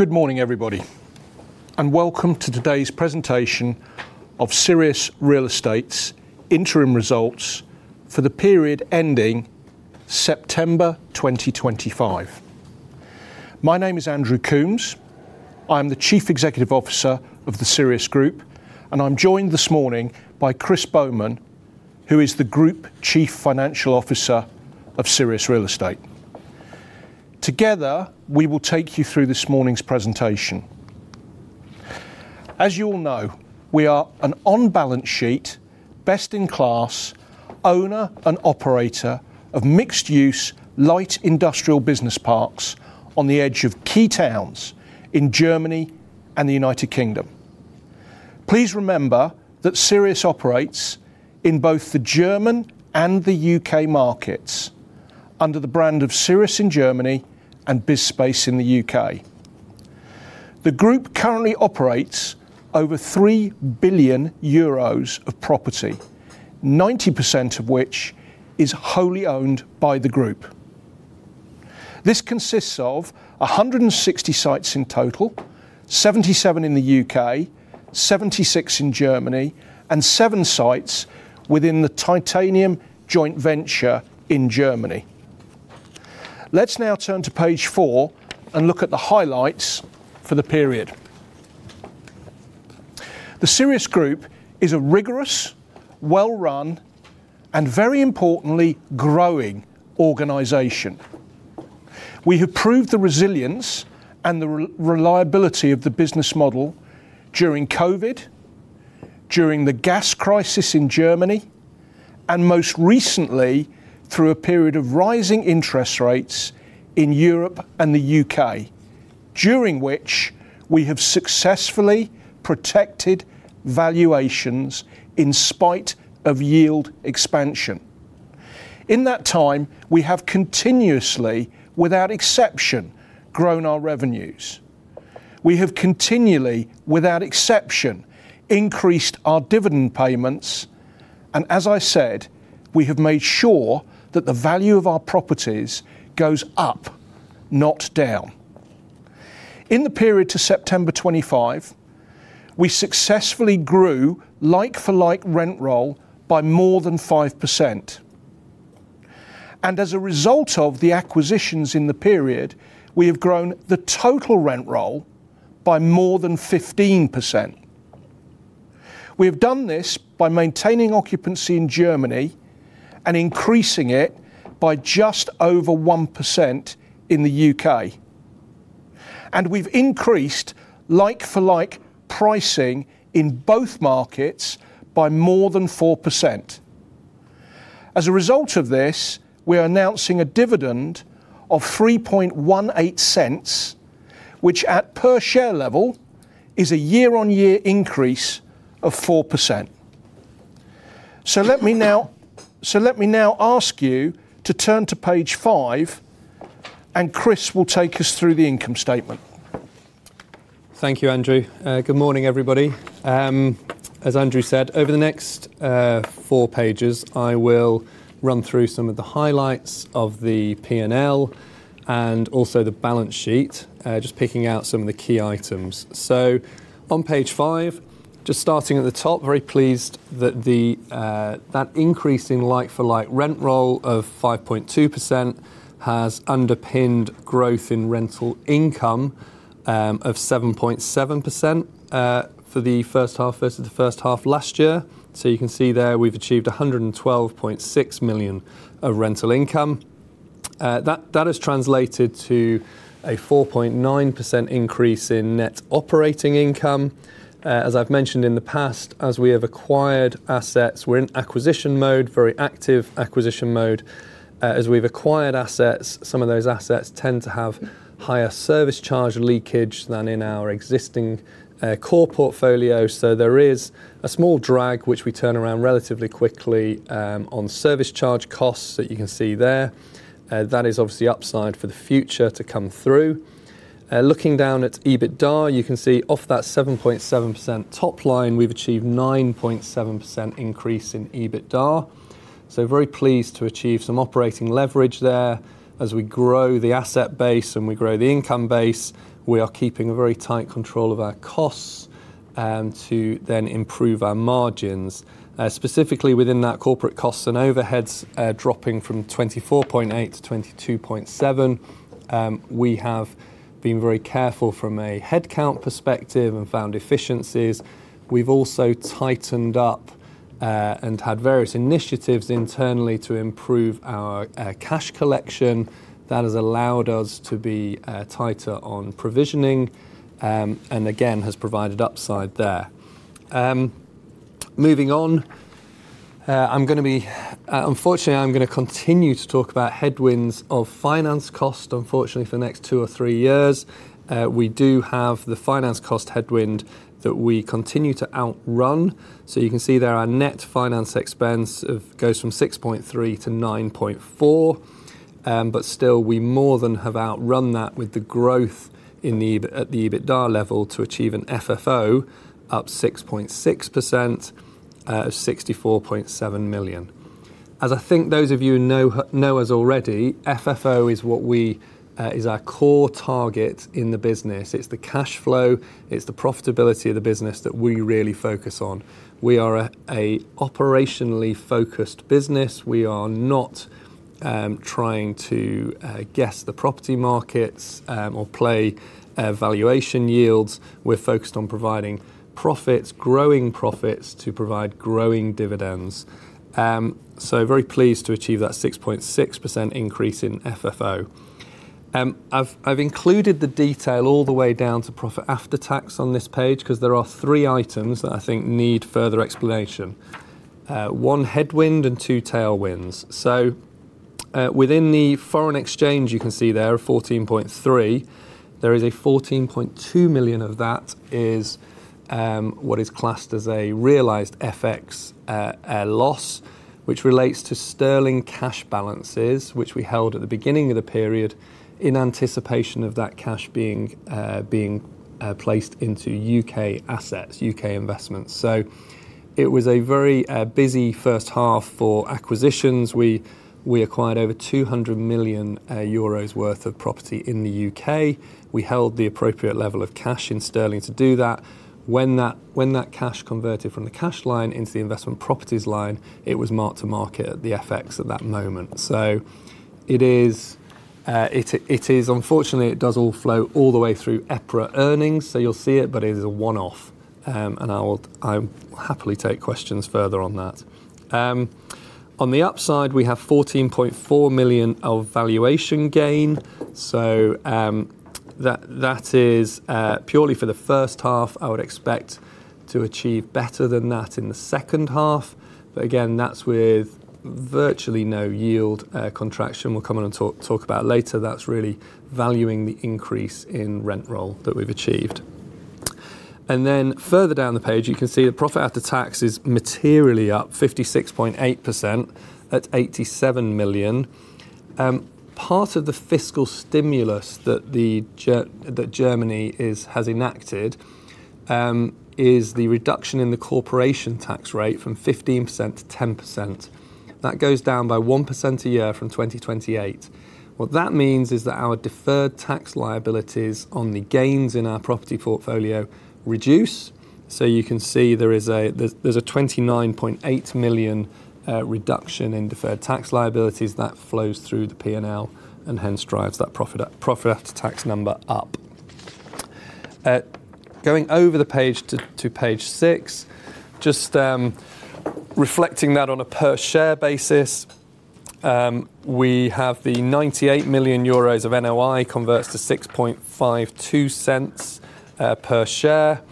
Good morning, everybody, and welcome to today's presentation of Sirius Real Estate's Interim Results for the period ending September 2025. My name is Andrew Coombs. I am the Chief Executive Officer of the Sirius Group, and I'm joined this morning by Chris Bowman, who is the Group Chief Financial Officer of Sirius Real Estate. Together, we will take you through this morning's presentation. As you all know, we are an on-balance sheet, best-in-class, owner, and operator of mixed-use light industrial business parks on the edge of key towns in Germany and the U.K. Please remember that Sirius operates in both the German and the U.K. markets under the brand of Sirius in Germany and BizSpace in the U.K. The Group currently operates over 3 billion euros of property, 90% of which is wholly owned by the Group. This consists of 160 sites in total, 77 in the U.K., 76 in Germany, and seven sites within the Titanium Joint Venture in Germany. Let's now turn to page four and look at the highlights for the period. The Sirius Group is a rigorous, well-run, and very importantly, growing organization. We have proved the resilience and the reliability of the business model during COVID, during the gas crisis in Germany, and most recently through a period of rising interest rates in Europe and the U.K., during which we have successfully protected valuations in spite of yield expansion. In that time, we have continuously, without exception, grown our revenues. We have continually, without exception, increased our dividend payments, and as I said, we have made sure that the value of our properties goes up, not down. In the period to September 2025, we successfully grew like-for-like rent roll by more than 5%. As a result of the acquisitions in the period, we have grown the total rent roll by more than 15%. We have done this by maintaining occupancy in Germany and increasing it by just over 1% in the U.K. We have increased like-for-like pricing in both markets by more than 4%. As a result of this, we are announcing a dividend of 0.0318, which at per share level is a year-on-year increase of 4%. Let me now ask you to turn to page five, and Chris will take us through the income statement. Thank you, Andrew. Good morning, everybody. As Andrew said, over the next four pages, I will run through some of the highlights of the P&L and also the balance sheet, just picking out some of the key items. On page five, just starting at the top, very pleased that that increase in like-for-like rent roll of 5.2% has underpinned growth in rental income of 7.7% for the first half versus the first half last year. You can see there we have achieved 112.6 million of rental income. That has translated to a 4.9% increase in net operating income. As I have mentioned in the past, as we have acquired assets, we are in acquisition mode, very active acquisition mode. As we have acquired assets, some of those assets tend to have higher service charge leakage than in our existing core portfolio. There is a small drag, which we turn around relatively quickly on service charge costs that you can see there. That is obviously upside for the future to come through. Looking down at EBITDA, you can see off that 7.7% top line, we've achieved 9.7% increase in EBITDA. Very pleased to achieve some operating leverage there. As we grow the asset base and we grow the income base, we are keeping a very tight control of our costs to then improve our margins. Specifically within that, corporate costs and overheads dropping from 24.8 to 22.7, we have been very careful from a headcount perspective and found efficiencies. We've also tightened up and had various initiatives internally to improve our cash collection. That has allowed us to be tighter on provisioning and again has provided upside there. Moving on, unfortunately, I'm going to continue to talk about headwinds of finance cost, unfortunately, for the next two or three years. We do have the finance cost headwind that we continue to outrun. You can see there our net finance expense goes from 6.3 million to 9.4 million, but still we more than have outrun that with the growth at the EBITDA level to achieve an FFO up 6.6% at 64.7 million. As I think those of you know us already, FFO is our core target in the business. It's the cash flow, it's the profitability of the business that we really focus on. We are an operationally focused business. We are not trying to guess the property markets or play valuation yields. We're focused on providing profits, growing profits to provide growing dividends. Very pleased to achieve that 6.6% increase in FFO. I've included the detail all the way down to profit after tax on this page because there are three items that I think need further explanation. One headwind and two tailwinds. Within the foreign exchange, you can see there are 14.3. There is 14.2 million of that which is what is classed as a realized FX loss, which relates to sterling cash balances, which we held at the beginning of the period in anticipation of that cash being placed into U.K. assets, U.K. investments. It was a very busy first half for acquisitions. We acquired over 200 million euros worth of property in the U.K. We held the appropriate level of cash in sterling to do that. When that cash converted from the cash line into the investment properties line, it was marked to market at the FX at that moment. It is, unfortunately, it does all flow all the way through EPRA Earnings, so you'll see it, but it is a one-off, and I'll happily take questions further on that. On the upside, we have 14.4 million of valuation gain. That is purely for the first half. I would expect to achieve better than that in the second half, but again, that's with virtually no yield contraction. We'll come on and talk about that later. That's really valuing the increase in rent roll that we've achieved. Further down the page, you can see the profit after tax is materially up, 56.8% at 87 million. Part of the fiscal stimulus that Germany has enacted is the reduction in the corporation tax rate from 15% to 10%. That goes down by 1% a year from 2028. What that means is that our deferred tax liabilities on the gains in our property portfolio reduce. You can see there's a 29.8 million reduction in deferred tax liabilities that flows through the P&L and hence drives that profit after tax number up. Going over the page to page six, just reflecting that on a per share basis, we have the 98 million euros of NOI converts to 0.0652 per share.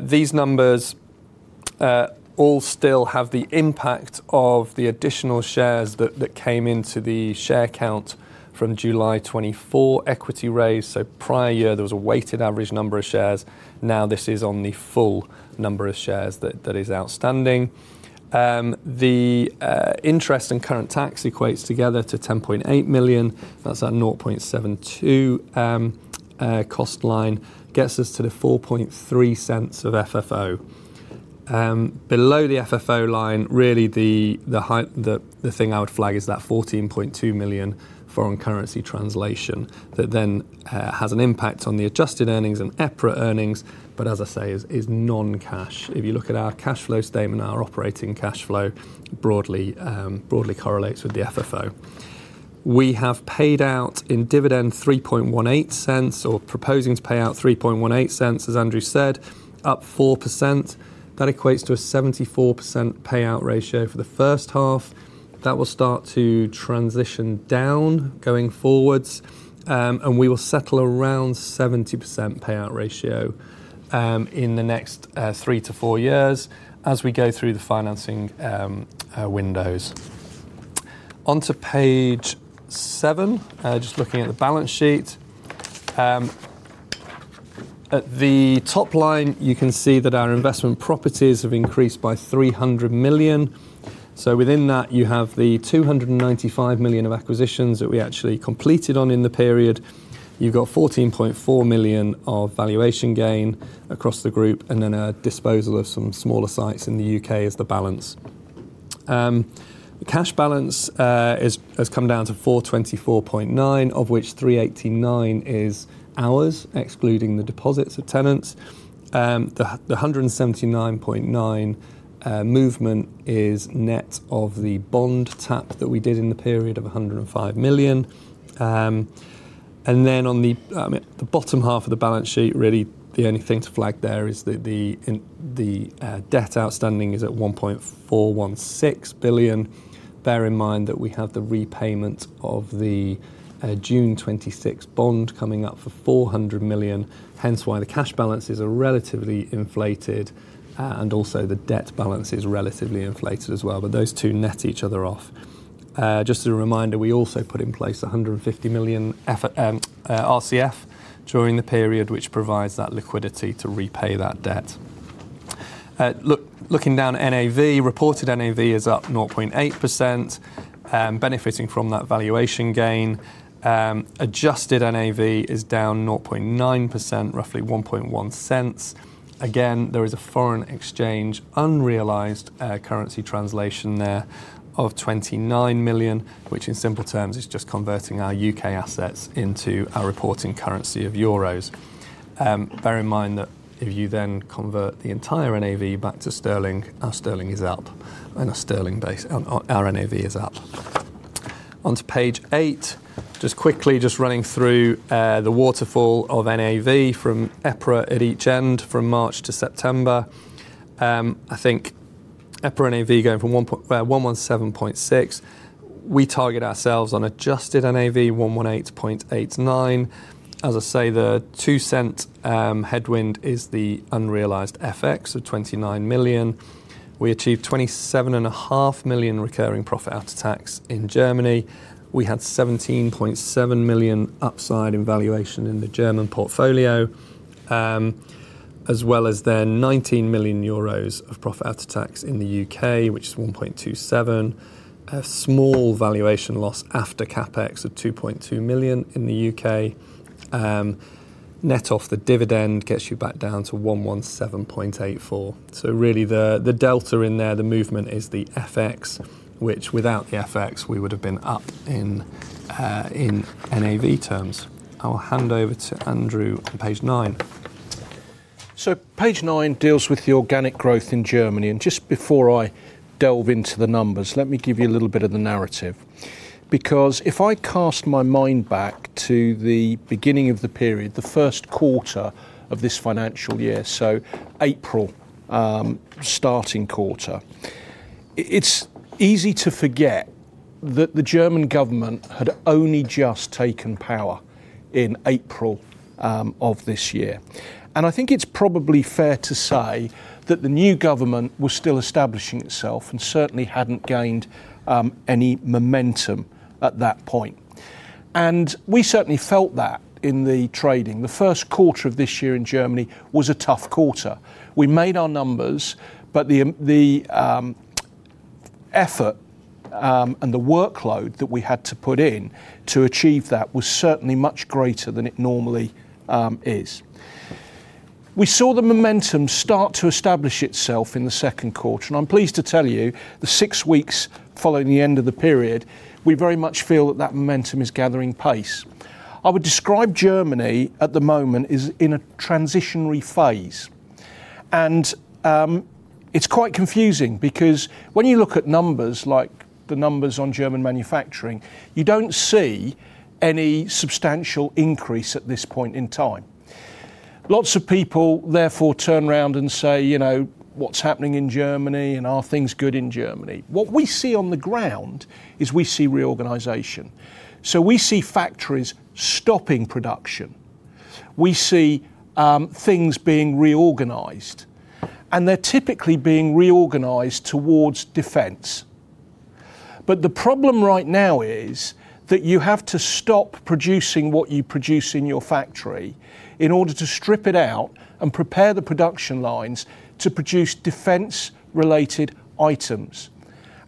These numbers all still have the impact of the additional shares that came into the share count from July 2024 equity raise. Prior year, there was a weighted average number of shares. Now this is on the full number of shares that is outstanding. The interest and current tax equates together to 10.8 million. That's our 0.0072 cost line, gets us to the 0.043 of FFO. Below the FFO line, really the thing I would flag is that 14.2 million foreign currency translation that then has an impact on the adjusted earnings and EPRA earnings, but as I say, is non-cash. If you look at our cash flow statement, our operating cash flow broadly correlates with the FFO. We have paid out in dividend 0.0318 or proposing to pay out 0.0318, as Andrew said, up 4%. That equates to a 74% payout ratio for the first half. That will start to transition down going forwards, and we will settle around 70% payout ratio in the next three to four years as we go through the financing windows. Onto page seven, just looking at the balance sheet. At the top line, you can see that our investment properties have increased by 300 million. Within that, you have the 295 million of acquisitions that we actually completed on in the period. You have 14.4 million of valuation gain across the group, and then a disposal of some smaller sites in the U.K. is the balance. The cash balance has come down to 424.9 million, of which 389 million is ours, excluding the deposits of tenants. The 179.9 million movement is net of the bond tap that we did in the period of 105 million. On the bottom half of the balance sheet, really the only thing to flag there is that the debt outstanding is at 1.416 billion. Bear in mind that we have the repayment of the June 2026 bond coming up for 400 million, which is why the cash balance is relatively inflated and also the debt balance is relatively inflated as well, but those two net each other off. Just as a reminder, we also put in place 150 million RCF during the period, which provides that liquidity to repay that debt. Looking down NAV, reported NAV is up 0.8%, benefiting from that valuation gain. Adjusted NAV is down 0.9%, roughly 0.011. Again, there is a foreign exchange unrealized currency translation there of 29 million, which in simple terms is just converting our U.K. assets into our reporting currency of euros. Bear in mind that if you then convert the entire NAV back to sterling, our sterling is up and our NAV is up. Onto page eight, just quickly just running through the waterfall of NAV from EPRA at each end from March to September. I think EPRA NAV going from 117.6. We target ourselves on adjusted NAV 118.89. As I say, the two-cent headwind is the unrealized FX of 29 million. We achieved 27.5 million recurring profit after tax in Germany. We had 17.7 million upside in valuation in the German portfolio, as well as then 19 million euros of profit after tax in the U.K., which is 1.27 million, a small valuation loss after CapEx of 2.2 million in the U.K. Net off the dividend gets you back down to 117.84 million. Really the delta in there, the movement is the FX, which without the FX, we would have been up in NAV terms. I'll hand over to Andrew on page nine. Page nine deals with the organic growth in Germany. Just before I delve into the numbers, let me give you a little bit of the narrative. If I cast my mind back to the beginning of the period, the first quarter of this financial year, so April, starting quarter, it's easy to forget that the German government had only just taken power in April of this year. I think it's probably fair to say that the new government was still establishing itself and certainly had not gained any momentum at that point. We certainly felt that in the trading. The first quarter of this year in Germany was a tough quarter. We made our numbers, but the effort and the workload that we had to put in to achieve that was certainly much greater than it normally is. We saw the momentum start to establish itself in the second quarter. I'm pleased to tell you, the six weeks following the end of the period, we very much feel that that momentum is gathering pace. I would describe Germany at the moment as in a transitionary phase. It's quite confusing because when you look at numbers like the numbers on German manufacturing, you don't see any substantial increase at this point in time. Lots of people therefore turn around and say, you know, what's happening in Germany and are things good in Germany? What we see on the ground is we see reorganization. We see factories stopping production. We see things being reorganized, and they're typically being reorganized towards defense. The problem right now is that you have to stop producing what you produce in your factory in order to strip it out and prepare the production lines to produce defense-related items.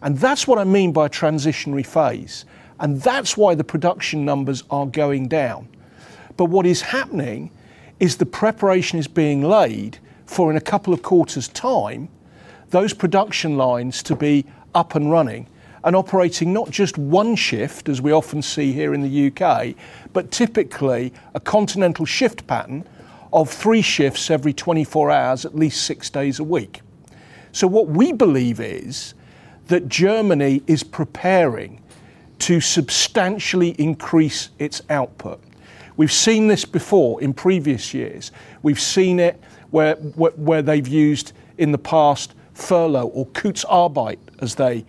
That is what I mean by transitionary phase. That is why the production numbers are going down. What is happening is the preparation is being laid for in a couple of quarters' time, those production lines to be up and running and operating not just one shift, as we often see here in the U.K., but typically a continental shift pattern of three shifts every 24 hours, at least six days a week. What we believe is that Germany is preparing to substantially increase its output. We have seen this before in previous years. We've seen it where they've used in the past furlough or Kurzarbeit, as they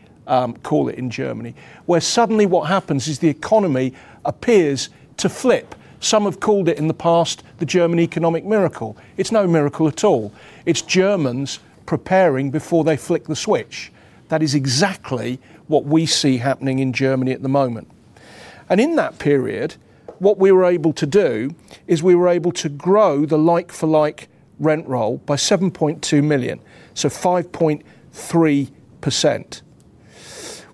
call it in Germany, where suddenly what happens is the economy appears to flip. Some have called it in the past the German economic miracle. It's no miracle at all. It's Germans preparing before they flick the switch. That is exactly what we see happening in Germany at the moment. In that period, what we were able to do is we were able to grow the like-for-like rent roll by 7.2 million, so 5.3%.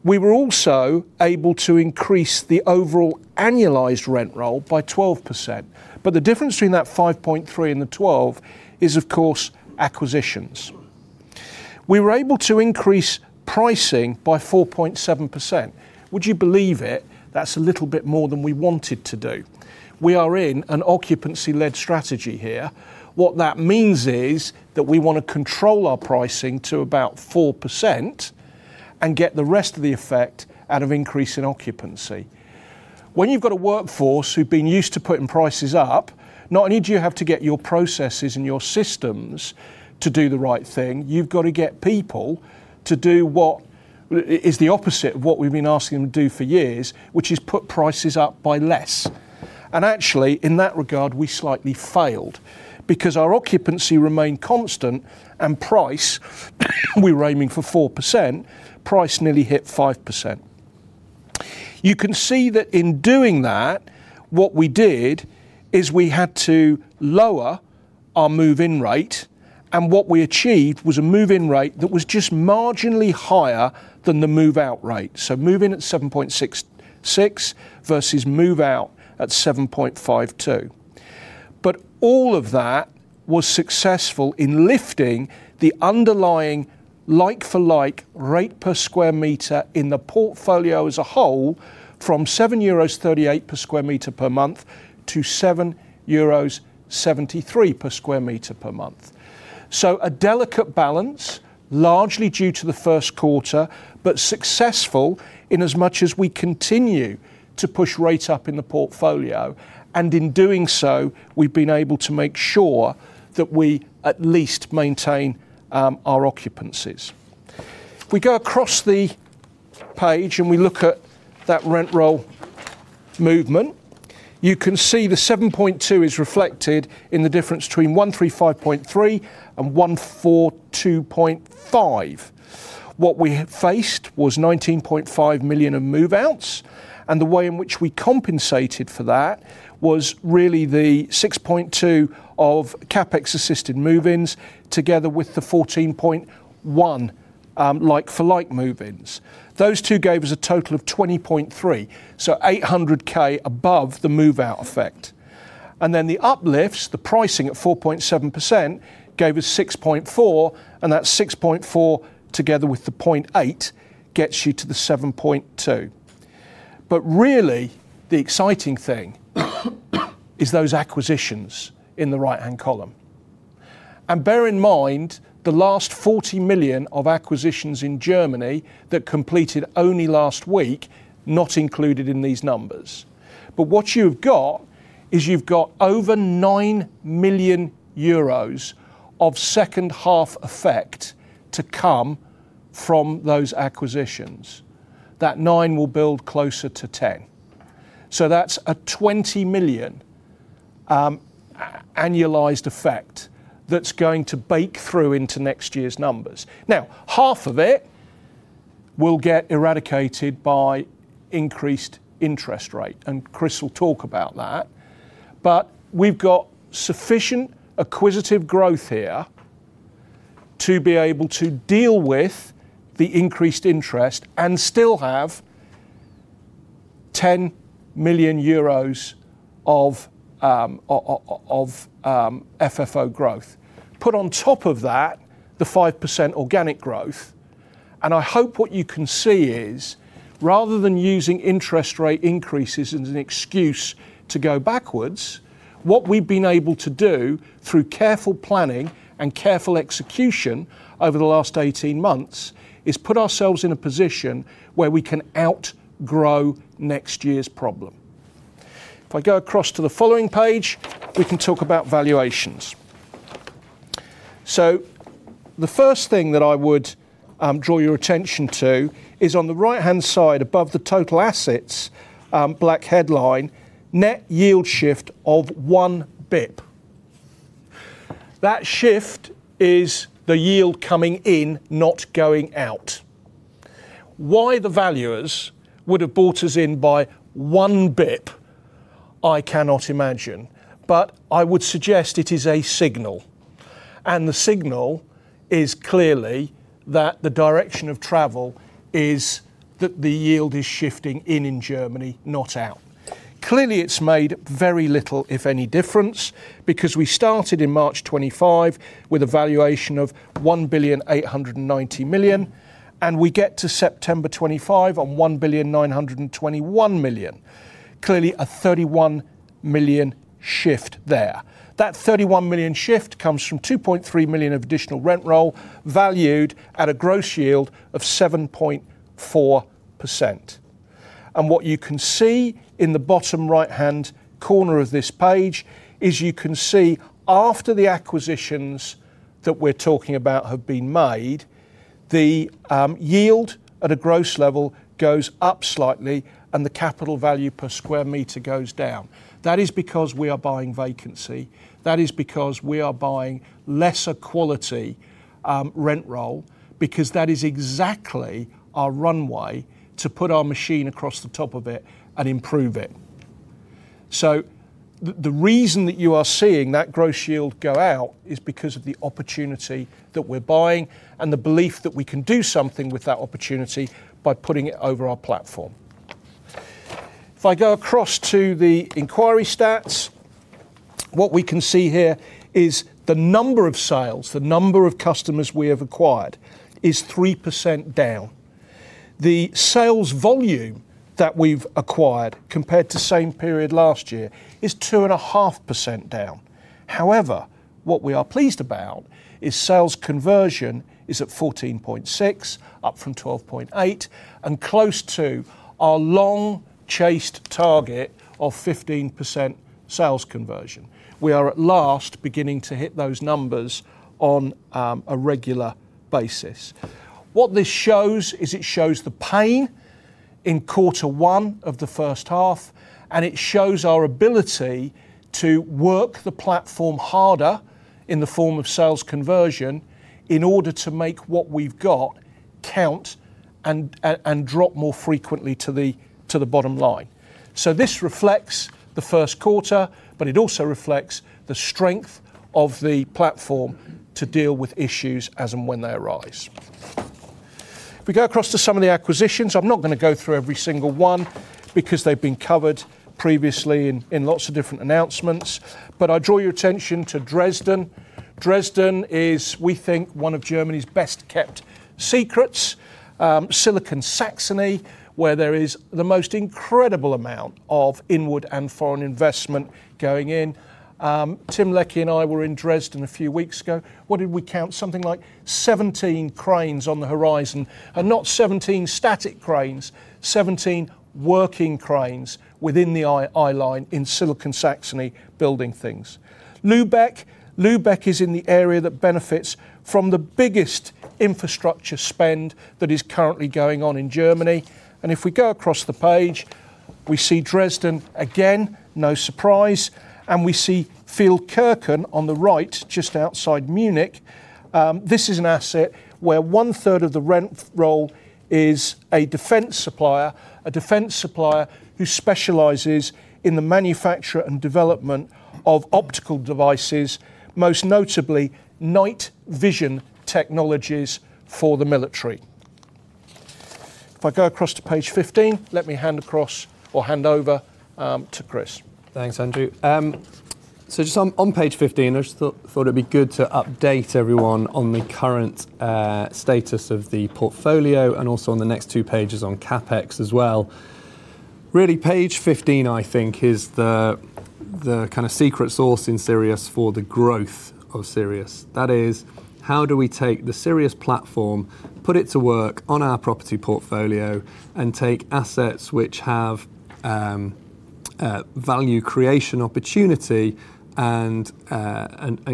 We were also able to increase the overall annualized rent roll by 12%. The difference between that 5.3% and the 12% is, of course, acquisitions. We were able to increase pricing by 4.7%. Would you believe it? That's a little bit more than we wanted to do. We are in an occupancy-led strategy here. What that means is that we want to control our pricing to about 4% and get the rest of the effect out of increasing occupancy. When you've got a workforce who've been used to putting prices up, not only do you have to get your processes and your systems to do the right thing, you've got to get people to do what is the opposite of what we've been asking them to do for years, which is put prices up by less. Actually, in that regard, we slightly failed because our occupancy remained constant and price, we were aiming for 4%, price nearly hit 5%. You can see that in doing that, what we did is we had to lower our move-in rate, and what we achieved was a move-in rate that was just marginally higher than the move-out rate. Move-in at 7.66 versus move-out at 7.52. All of that was successful in lifting the underlying like-for-like rate per square meter in the portfolio as a whole from 7.38 euros per square meter per month to 7.73 euros per square meter per month. It was a delicate balance, largely due to the first quarter, but successful in as much as we continue to push rates up in the portfolio. In doing so, we have been able to make sure that we at least maintain our occupancies. If we go across the page and we look at that rent roll movement, you can see the 7.2 is reflected in the difference between 135.3 and 142.5. What we faced was 19.5 million of move-outs, and the way in which we compensated for that was really the 6.2 of CapEx-assisted move-ins together with the 14.1 like-for-like move-ins. Those two gave us a total of 20.3, so 800,000 above the move-out effect. Then the uplifts, the pricing at 4.7% gave us 6.4%, and that 6.4% together with the 0.8 gets you to the 7.2. Really, the exciting thing is those acquisitions in the right-hand column. Bear in mind the last 40 million of acquisitions in Germany that completed only last week are not included in these numbers. What you have is over 9 million euros of second-half effect to come from those acquisitions. That nine will build closer to ten. That is a 20 million annualized effect that is going to bake through into next year's numbers. Now, half of it will get eradicated by increased interest rate, and Chris will talk about that. We have sufficient acquisitive growth here to be able to deal with the increased interest and still have 10 million euros of FFO growth. Put on top of that, the 5% organic growth. I hope what you can see is, rather than using interest rate increases as an excuse to go backwards, what we've been able to do through careful planning and careful execution over the last 18 months is put ourselves in a position where we can outgrow next year's problem. If I go across to the following page, we can talk about valuations. The first thing that I would draw your attention to is on the right-hand side, above the total assets, black headline, net yield shift of one basis point. That shift is the yield coming in, not going out. Why the valuers would have brought us in by one basis point, I cannot imagine, but I would suggest it is a signal. The signal is clearly that the direction of travel is that the yield is shifting in in Germany, not out. Clearly, it's made very little, if any, difference because we started in March 2025 with a valuation of 1.890 million, and we get to September 2025 on 1.921 million. Clearly, a 31 million shift there. That 31 million shift comes from 2.3 million of additional rent roll valued at a gross yield of 7.4%. What you can see in the bottom right-hand corner of this page is you can see after the acquisitions that we're talking about have been made, the yield at a gross level goes up slightly and the capital value per square meter goes down. That is because we are buying vacancy. That is because we are buying lesser quality rent roll because that is exactly our runway to put our machine across the top of it and improve it. The reason that you are seeing that gross yield go out is because of the opportunity that we're buying and the belief that we can do something with that opportunity by putting it over our platform. If I go across to the inquiry stats, what we can see here is the number of sales, the number of customers we have acquired, is 3% down. The sales volume that we've acquired compared to the same period last year is 2.5% down. However, what we are pleased about is sales conversion is at 14.6%, up from 12.8%, and close to our long-chased target of 15% sales conversion. We are at last beginning to hit those numbers on a regular basis. What this shows is it shows the pain in quarter one of the first half, and it shows our ability to work the platform harder in the form of sales conversion in order to make what we've got count and drop more frequently to the bottom line. This reflects the first quarter, but it also reflects the strength of the platform to deal with issues as and when they arise. If we go across to some of the acquisitions, I'm not going to go through every single one because they've been covered previously in lots of different announcements. I draw your attention to Dresden. Dresden is, we think, one of Germany's best-kept secrets, Silicon Saxony, where there is the most incredible amount of inward and foreign investment going in. Tim Leckie and I were in Dresden a few weeks ago. What did we count? Something like 17 cranes on the horizon, and not 17 static cranes, 17 working cranes within the eye line in Silicon Saxony building things. Lübeck. Lübeck is in the area that benefits from the biggest infrastructure spend that is currently going on in Germany. If we go across the page, we see Dresden, again, no surprise, and we see Phil Kirkun on the right, just outside Munich. This is an asset where one-third of the rent roll is a defense supplier, a defense supplier who specializes in the manufacture and development of optical devices, most notably night vision technologies for the military. If I go across to page 15, let me hand across or hand over to Chris. Thanks, Andrew. Just on page 15, I thought it'd be good to update everyone on the current status of the portfolio and also on the next two pages on CapEx as well. Really, page 15, I think, is the kind of secret sauce in Sirius for the growth of Sirius. That is, how do we take the Sirius platform, put it to work on our property portfolio, and take assets which have value creation opportunity and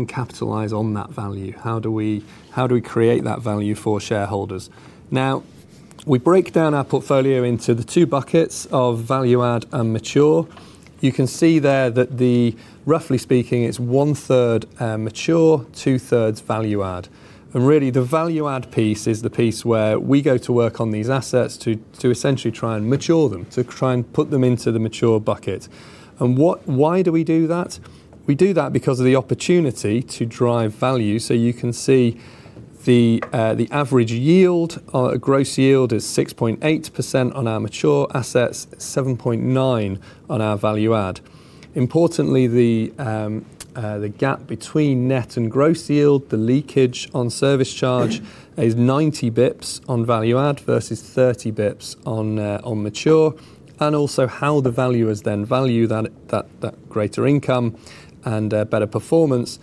capitalize on that value? How do we create that value for shareholders? Now, we break down our portfolio into the two buckets of value-add and mature. You can see there that, roughly speaking, it's one-third mature, two-thirds value-add. Really, the value-add piece is the piece where we go to work on these assets to essentially try and mature them, to try and put them into the mature bucket. Why do we do that? We do that because of the opportunity to drive value. You can see the average yield, our gross yield, is 6.8% on our mature assets, 7.9% on our value-add. Importantly, the gap between net and gross yield, the leakage on service charge, is 90 basis points on value-add versus 30 basis points on mature. Also, how the valuers then value that greater income and better performance.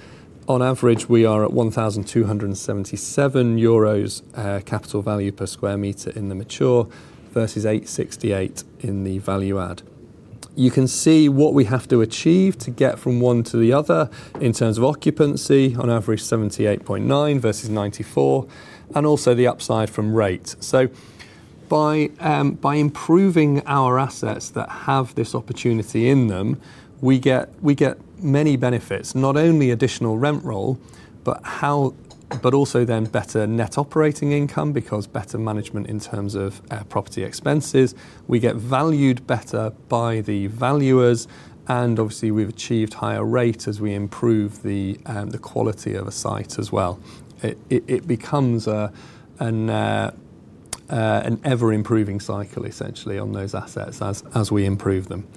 On average, we are at 1,277 euros capital value per sq m in the mature versus 868 in the value-add. You can see what we have to achieve to get from one to the other in terms of occupancy, on average, 78.9% versus 94%, and also the upside from rate. By improving our assets that have this opportunity in them, we get many benefits, not only additional rent roll, but also then better net operating income because better management in terms of property expenses. We get valued better by the valuers, and obviously, we've achieved higher rates as we improve the quality of a site as well. It becomes an ever-improving cycle, essentially, on those assets as we improve them.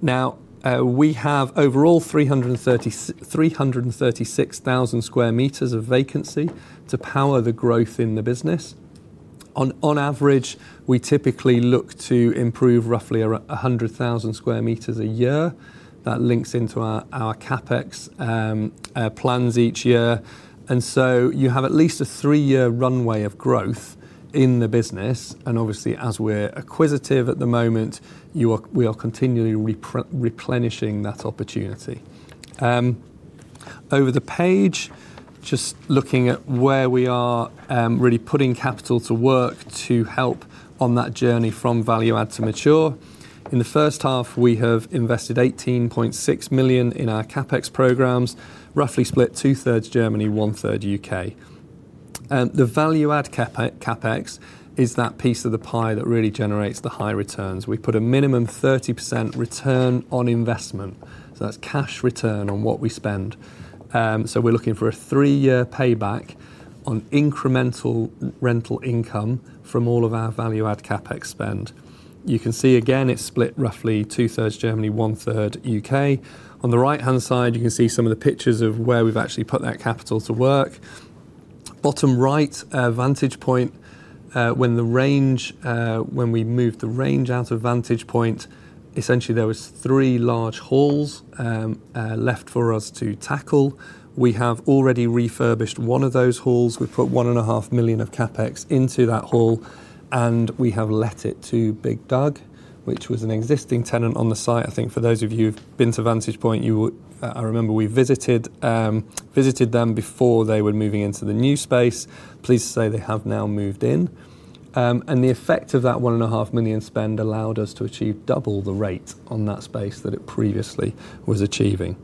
Now, we have overall 336,000 sq m of vacancy to power the growth in the business. On average, we typically look to improve roughly 100,000 sq m a year. That links into our CapEx plans each year. You have at least a three-year runway of growth in the business. Obviously, as we're acquisitive at the moment, we are continually replenishing that opportunity. Over the page, just looking at where we are really putting capital to work to help on that journey from value-add to mature. In the first half, we have invested 18.6 million in our CapEx programs, roughly split two-thirds Germany, one-third U.K. The value-add CapEx is that piece of the pie that really generates the high returns. We put a minimum 30% return on investment. That is cash return on what we spend. We are looking for a three-year payback on incremental rental income from all of our value-add CapEx spend. You can see, again, it is split roughly two-thirds Germany, one-third U.K. On the right-hand side, you can see some of the pictures of where we have actually put that capital to work. Bottom right, Vantage Point. When we moved the range out of Vantage Point, essentially, there were three large halls left for us to tackle. We have already refurbished one of those halls. We have put 1.5 million of CapEx into that hall, and we have let it to Big Doug, which was an existing tenant on the site. I think for those of you who have been to Vantage Point, I remember we visited them before they were moving into the new space. Pleased to say they have now moved in. The effect of that 1.5 million spend allowed us to achieve double the rate on that space that it previously was achieving.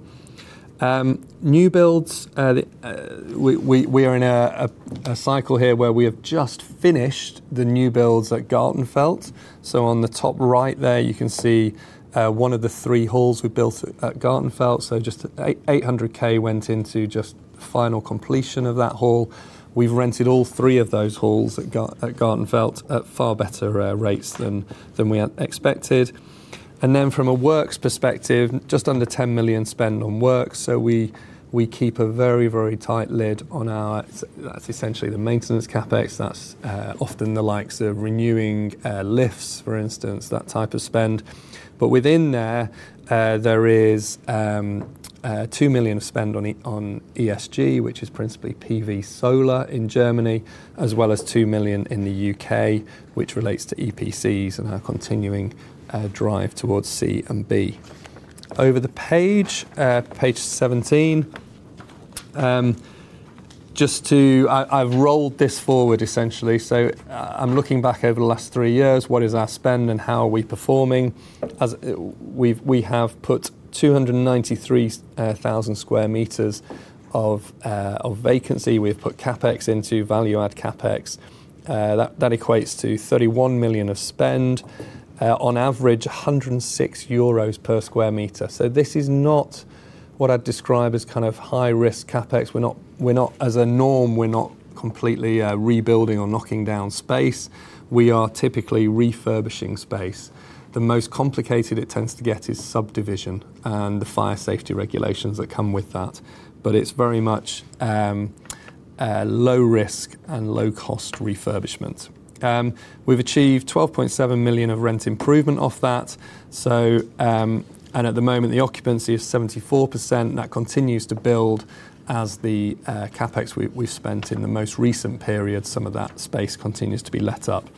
New builds. We are in a cycle here where we have just finished the new builds at Gartenfeld. On the top right there, you can see one of the three halls we built at Gartenfeld. Just 800,000 went into just final completion of that hall. We've rented all three of those halls at Gartenfeld at far better rates than we expected. From a works perspective, just under 10 million spend on works. We keep a very, very tight lid on our—that's essentially the maintenance CapEx. That's often the likes of renewing lifts, for instance, that type of spend. Within there, there is 2 million spend on ESG, which is principally PV solar in Germany, as well as 2 million in the U.K., which relates to EPCs and our continuing drive towards C and B. Over the page, page 17, just to—I've rolled this forward, essentially. I'm looking back over the last three years, what is our spend and how are we performing? We have put 293,000 sq m of vacancy. We have put CapEx into value-add CapEx. That equates to 31 million of spend, on average, 106 euros per sq m. This is not what I'd describe as kind of high-risk CapEx. As a norm, we're not completely rebuilding or knocking down space. We are typically refurbishing space. The most complicated it tends to get is subdivision and the fire safety regulations that come with that. It is very much low-risk and low-cost refurbishment. We've achieved 12.7 million of rent improvement off that. At the moment, the occupancy is 74%. That continues to build as the CapEx we've spent in the most recent period, some of that space continues to be let up.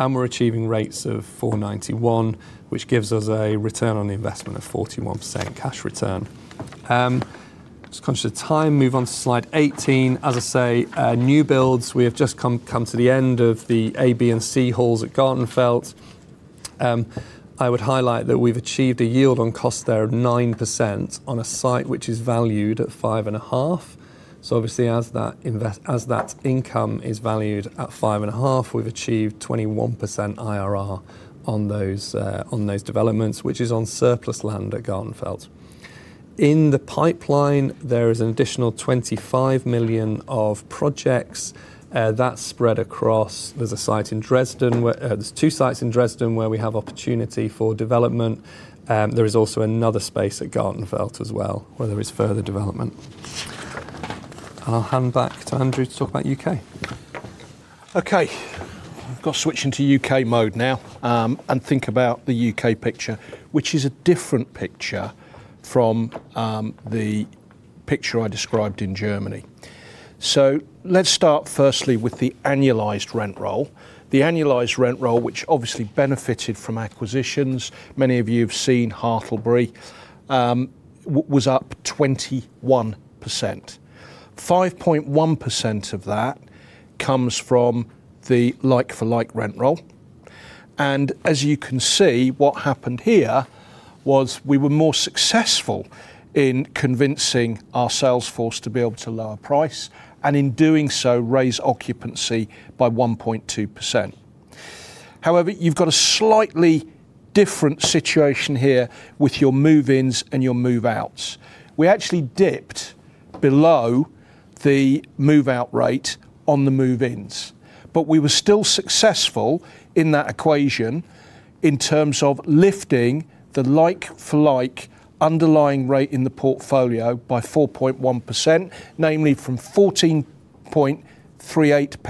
We're achieving rates of 491, which gives us a return on the investment of 41% cash return. Just conscious of time, move on to slide 18. As I say, new builds. We have just come to the end of the A, B, and C halls at Gartenfeld. I would highlight that we've achieved a yield on cost there of 9% on a site which is valued at 5.5. Obviously, as that income is valued at 5.5, we've achieved 21% IRR on those developments, which is on surplus land at Gartenfeld. In the pipeline, there is an additional 25 million of projects. That's spread across—there's a site in Dresden. There are two sites in Dresden where we have opportunity for development. There is also another space at Gartenfeld as well where there is further development. I'll hand back to Andrew to talk about the U.K. Okay. I've got to switch into U.K. mode now and think about the U.K. picture, which is a different picture from the picture I described in Germany. Let's start firstly with the annualized rent roll. The annualized rent roll, which obviously benefited from acquisitions—many of you have seen Hartlebury—was up 21%. 5.1% of that comes from the like-for-like rent roll. As you can see, what happened here was we were more successful in convincing our sales force to be able to lower price and, in doing so, raise occupancy by 1.2%. However, you've got a slightly different situation here with your move-ins and your move-outs. We actually dipped below the move-out rate on the move-ins. We were still successful in that equation in terms of lifting the like-for-like underlying rate in the portfolio by 4.1%, namely from 14.38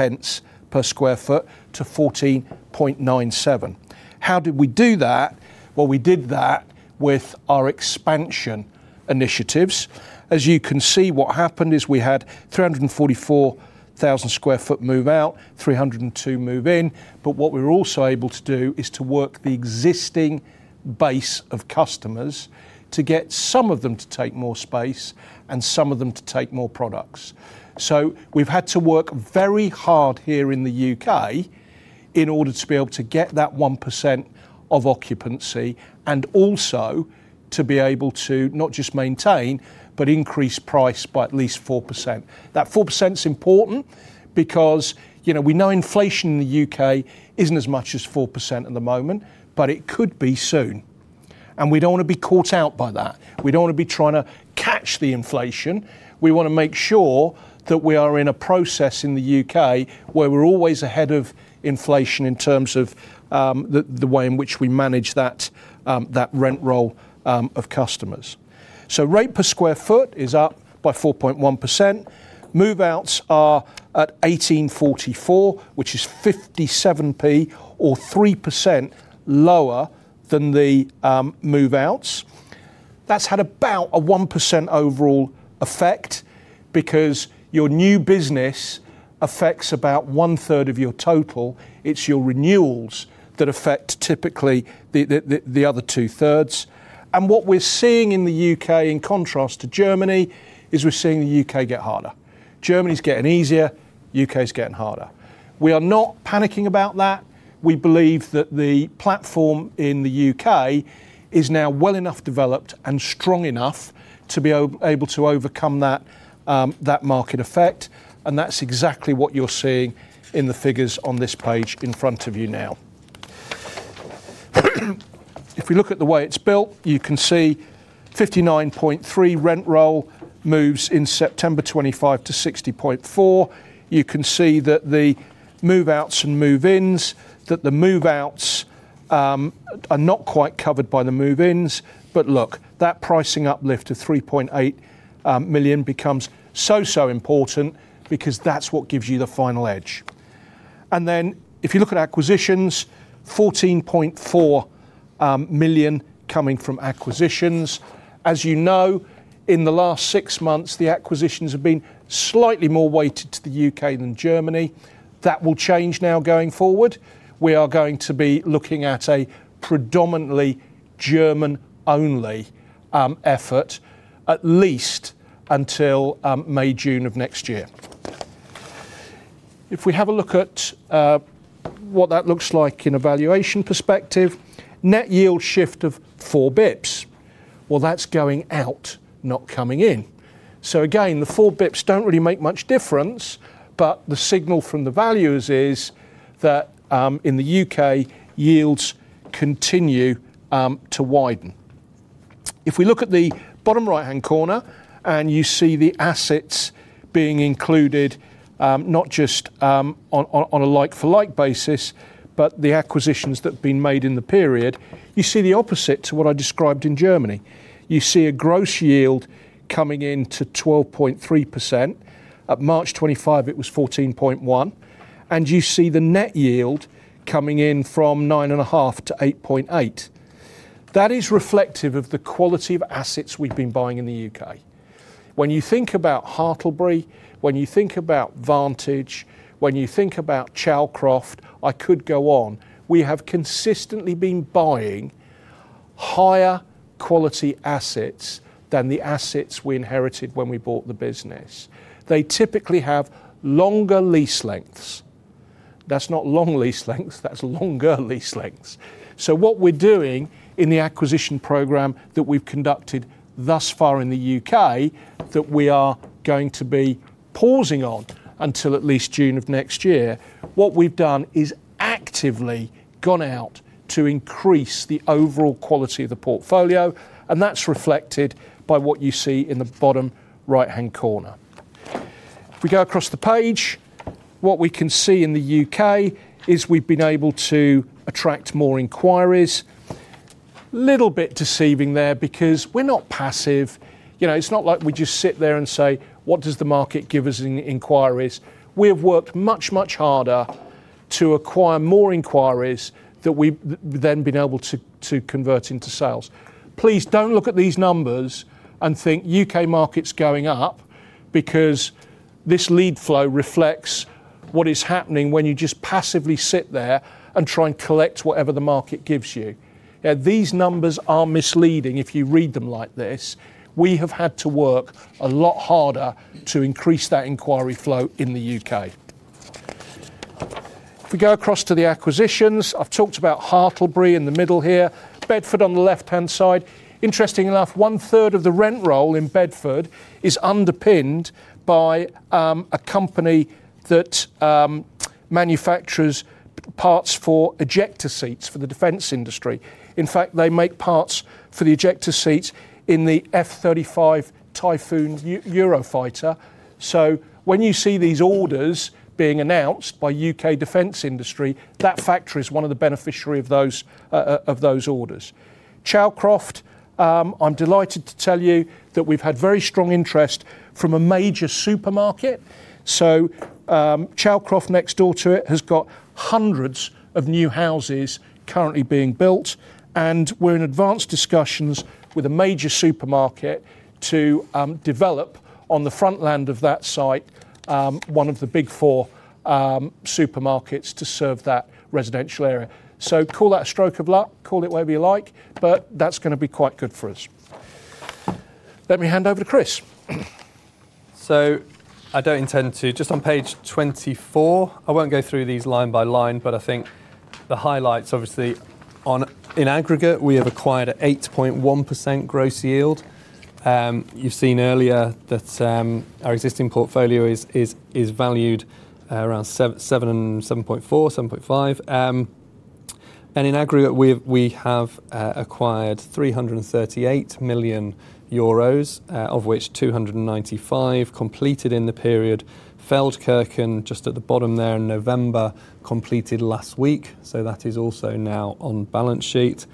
per sq ft to 14.97. How did we do that? We did that with our expansion initiatives. As you can see, what happened is we had 344,000 sq ft move-out, 302,000 move-in. What we were also able to do is to work the existing base of customers to get some of them to take more space and some of them to take more products. We have had to work very hard here in the U.K. in order to be able to get that 1% of occupancy and also to be able to not just maintain, but increase price by at least 4%. That 4% is important because we know inflation in the U.K. is not as much as 4% at the moment, but it could be soon. We do not want to be caught out by that. We do not want to be trying to catch the inflation. We want to make sure that we are in a process in the U.K. where we are always ahead of inflation in terms of the way in which we manage that rent roll of customers. Rate per sq ft is up by 4.1%. Move-outs are at 18.44, which is 0.57 or 3% lower than the move-outs. That has had about a 1% overall effect because your new business affects about one-third of your total. It is your renewals that affect typically the other two-thirds. What we are seeing in the U.K., in contrast to Germany, is we are seeing the U.K. get harder. Germany is getting easier. U.K. is getting harder. We are not panicking about that. We believe that the platform in the U.K. is now well enough developed and strong enough to be able to overcome that market effect. That is exactly what you are seeing in the figures on this page in front of you now. If we look at the way it is built, you can see 59.3 rent roll moves in September 2025 to 60.4. You can see that the move-outs and move-ins, that the move-outs are not quite covered by the move-ins. Look, that pricing uplift of 3.8 million becomes so, so important because that is what gives you the final edge. If you look at acquisitions, 14.4 million coming from acquisitions. As you know, in the last six months, the acquisitions have been slightly more weighted to the U.K. than Germany. That will change now going forward. We are going to be looking at a predominantly German-only effort, at least until May, June of next year. If we have a look at what that looks like in a valuation perspective, net yield shift of 4 basis points. That is going out, not coming in. The 4 basis points do not really make much difference, but the signal from the valuers is that in the U.K., yields continue to widen. If we look at the bottom right-hand corner and you see the assets being included, not just on a like-for-like basis, but the acquisitions that have been made in the period, you see the opposite to what I described in Germany. You see a gross yield coming in to 12.3%. At March 2025, it was 14.1%. And you see the net yield coming in from 9.5% to 8.8%. That is reflective of the quality of assets we've been buying in the U.K. When you think about Hartlebury, when you think about Vantage, when you think about Chalcroft, I could go on, we have consistently been buying higher quality assets than the assets we inherited when we bought the business. They typically have longer lease lengths. That's not long lease lengths. That's longer lease lengths. What we're doing in the acquisition program that we've conducted thus far in the U.K. that we are going to be pausing on until at least June of next year, what we've done is actively gone out to increase the overall quality of the portfolio. That's reflected by what you see in the bottom right-hand corner. If we go across the page, what we can see in the U.K. is we've been able to attract more inquiries. Little bit deceiving there because we're not passive. It's not like we just sit there and say, "What does the market give us in inquiries?" We have worked much, much harder to acquire more inquiries that we've then been able to convert into sales. Please do not look at these numbers and think U.K. market's going up because this lead flow reflects what is happening when you just passively sit there and try and collect whatever the market gives you. These numbers are misleading if you read them like this. We have had to work a lot harder to increase that inquiry flow in the U.K. If we go across to the acquisitions, I have talked about Hartlebury in the middle here, Bedford on the left-hand side. Interestingly enough, one-third of the rent roll in Bedford is underpinned by a company that manufactures parts for ejector seats for the defense industry. In fact, they make parts for the ejector seats in the F-35 Typhoon Eurofighter. When you see these orders being announced by U.K. defense industry, that factory is one of the beneficiaries of those orders. Chalcroft, I'm delighted to tell you that we've had very strong interest from a major supermarket. Chalcroft next door to it has got hundreds of new houses currently being built. We're in advanced discussions with a major supermarket to develop on the front land of that site, one of the big four supermarkets to serve that residential area. Call that a stroke of luck. Call it whatever you like, but that's going to be quite good for us. Let me hand over to Chris. I don't intend to just on page 24, I won't go through these line by line, but I think the highlights, obviously, in aggregate, we have acquired an 8.1% gross yield. You've seen earlier that our existing portfolio is valued around 7.4-7.5. In aggregate, we have acquired 338 million euros, of which 295 million completed in the period. Feldkirchen, just at the bottom there in November, completed last week. That is also now on balance sheet.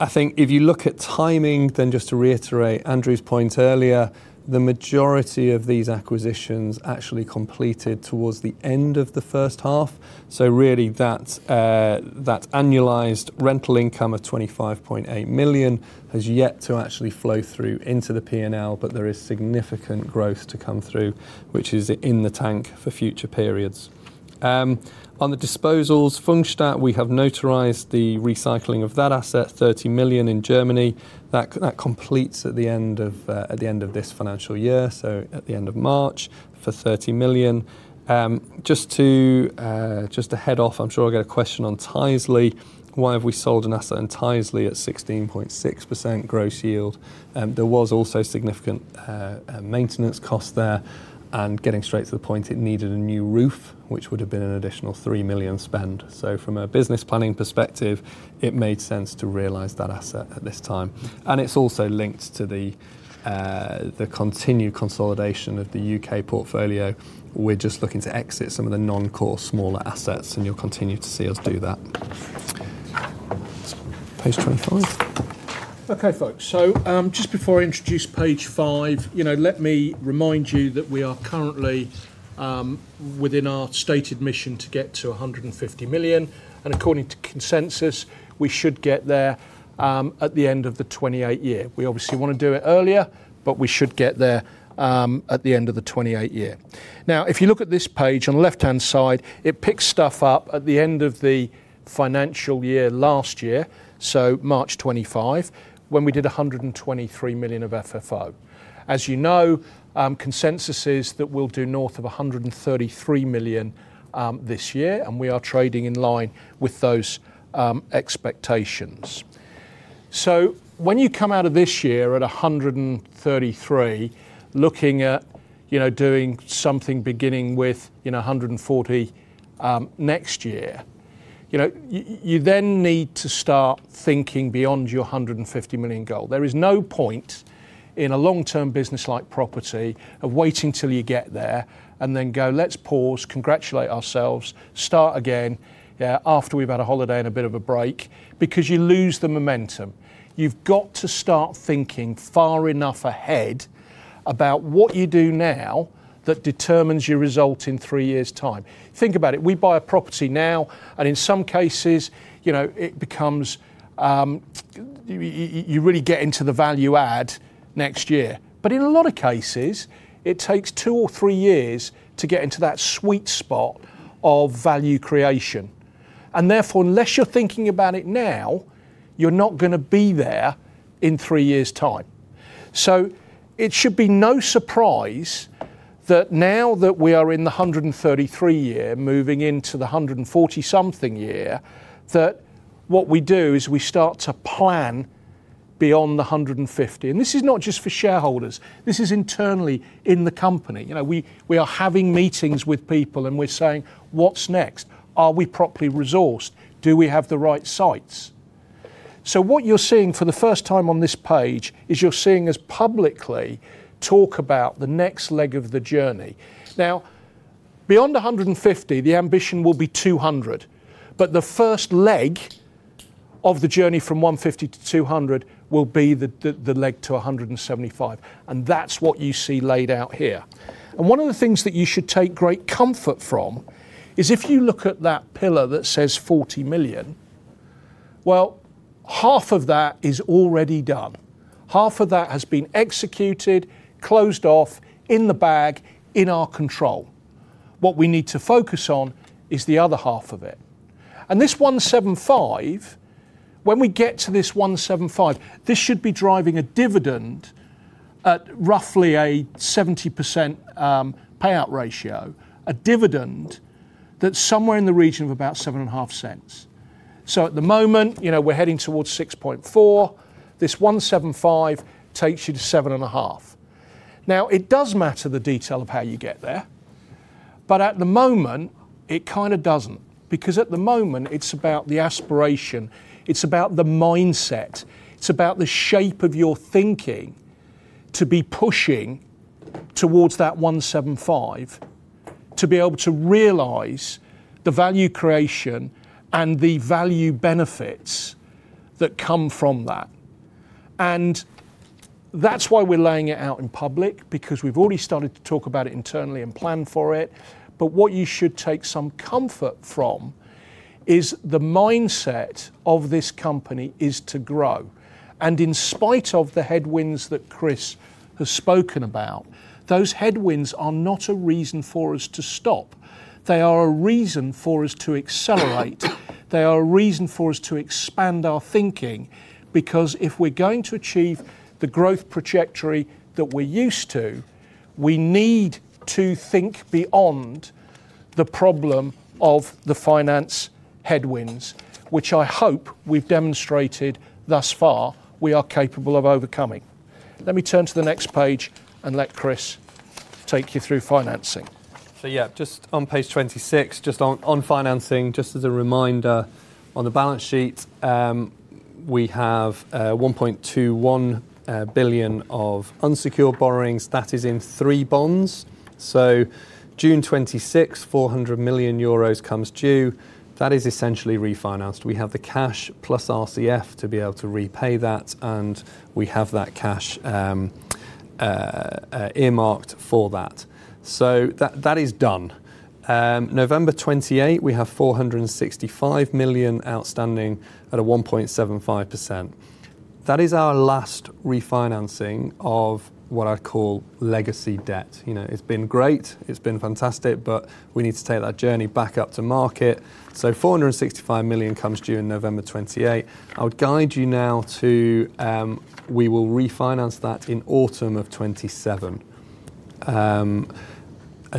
I think if you look at timing, then just to reiterate Andrew's point earlier, the majority of these acquisitions actually completed towards the end of the first half. Really, that annualized rental income of 25.8 million has yet to actually flow through into the P&L, but there is significant growth to come through, which is in the tank for future periods. On the disposals, Pfungstadt, we have notarized the recycling of that asset, 30 million in Germany. That completes at the end of this financial year, so at the end of March for 30 million. Just to head off, I'm sure I'll get a question on Tinsley. Why have we sold an asset in Tinsley at 16.6% gross yield? There was also significant maintenance cost there. Getting straight to the point, it needed a new roof, which would have been an additional 3 million spend. From a business planning perspective, it made sense to realize that asset at this time. It is also linked to the continued consolidation of the U.K. portfolio. We are just looking to exit some of the non-core smaller assets, and you will continue to see us do that. Page 25. Okay, folks. Just before I introduce page five, let me remind you that we are currently within our stated mission to get to 150 million. According to consensus, we should get there at the end of the 2028 year. We obviously want to do it earlier, but we should get there at the end of the 2028 year. Now, if you look at this page on the left-hand side, it picks stuff up at the end of the financial year last year, so March 2025, when we did 123 million of FFO. As you know, consensus is that we'll do north of 133 million this year, and we are trading in line with those expectations. When you come out of this year at 133 million, looking at doing something beginning with 140 million next year, you then need to start thinking beyond your 150 million goal. There is no point in a long-term business like property of waiting till you get there and then go, "Let's pause, congratulate ourselves, start again after we've had a holiday and a bit of a break," because you lose the momentum. You've got to start thinking far enough ahead about what you do now that determines your result in three years' time. Think about it. We buy a property now, and in some cases, it becomes you really get into the value add next year. In a lot of cases, it takes two or three years to get into that sweet spot of value creation. Therefore, unless you're thinking about it now, you're not going to be there in three years' time. It should be no surprise that now that we are in the 133 year, moving into the 140-something year, what we do is we start to plan beyond the 150. This is not just for shareholders. This is internally in the company. We are having meetings with people, and we're saying, "What's next? Are we properly resourced? Do we have the right sites?" What you are seeing for the first time on this page is you are seeing us publicly talk about the next leg of the journey. Now, beyond 150, the ambition will be 200. The first leg of the journey from 150 to 200 will be the leg to 175. That is what you see laid out here. One of the things that you should take great comfort from is if you look at that pillar that says 40 million, half of that is already done. Half of that has been executed, closed off, in the bag, in our control. What we need to focus on is the other half of it. This 175, when we get to this 175, this should be driving a dividend at roughly a 70% payout ratio, a dividend that's somewhere in the region of about 0.075. At the moment, we're heading towards 0.064. This 175 takes you to 0.075. It does matter the detail of how you get there, but at the moment, it kind of doesn't. At the moment, it's about the aspiration. It's about the mindset. It's about the shape of your thinking to be pushing towards that 175 to be able to realize the value creation and the value benefits that come from that. That's why we're laying it out in public, because we've already started to talk about it internally and plan for it. What you should take some comfort from is the mindset of this company is to grow. In spite of the headwinds that Chris has spoken about, those headwinds are not a reason for us to stop. They are a reason for us to accelerate. They are a reason for us to expand our thinking. Because if we're going to achieve the growth trajectory that we're used to, we need to think beyond the problem of the finance headwinds, which I hope we've demonstrated thus far we are capable of overcoming. Let me turn to the next page and let Chris take you through financing. Just on page 26, just on financing, just as a reminder, on the balance sheet, we have 1.21 billion of unsecured borrowings. That is in three bonds. June 2026, 400 million euros comes due. That is essentially refinanced. We have the cash plus RCF to be able to repay that, and we have that cash earmarked for that. That is done. November 2028, we have 465 million outstanding at 1.75%. That is our last refinancing of what I call legacy debt. It's been great. It's been fantastic, but we need to take that journey back up to market. 465 million comes due in November 2028. I would guide you now to we will refinance that in autumn of 2027.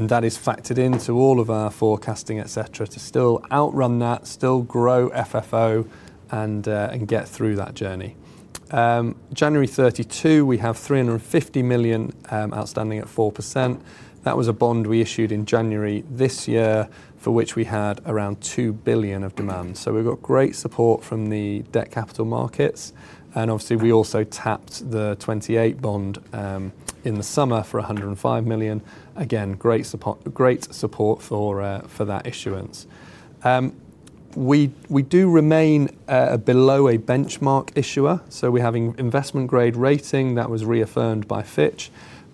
That is factored into all of our forecasting, etc., to still outrun that, still grow FFO, and get through that journey. January 2032, we have 350 million outstanding at 4%. That was a bond we issued in January this year for which we had around 2 billion of demand. We have got great support from the debt capital markets. Obviously, we also tapped the 2028 bond in the summer for 105 million. Again, great support for that issuance. We do remain below a benchmark issuer. We are having investment-grade rating that was reaffirmed by Fitch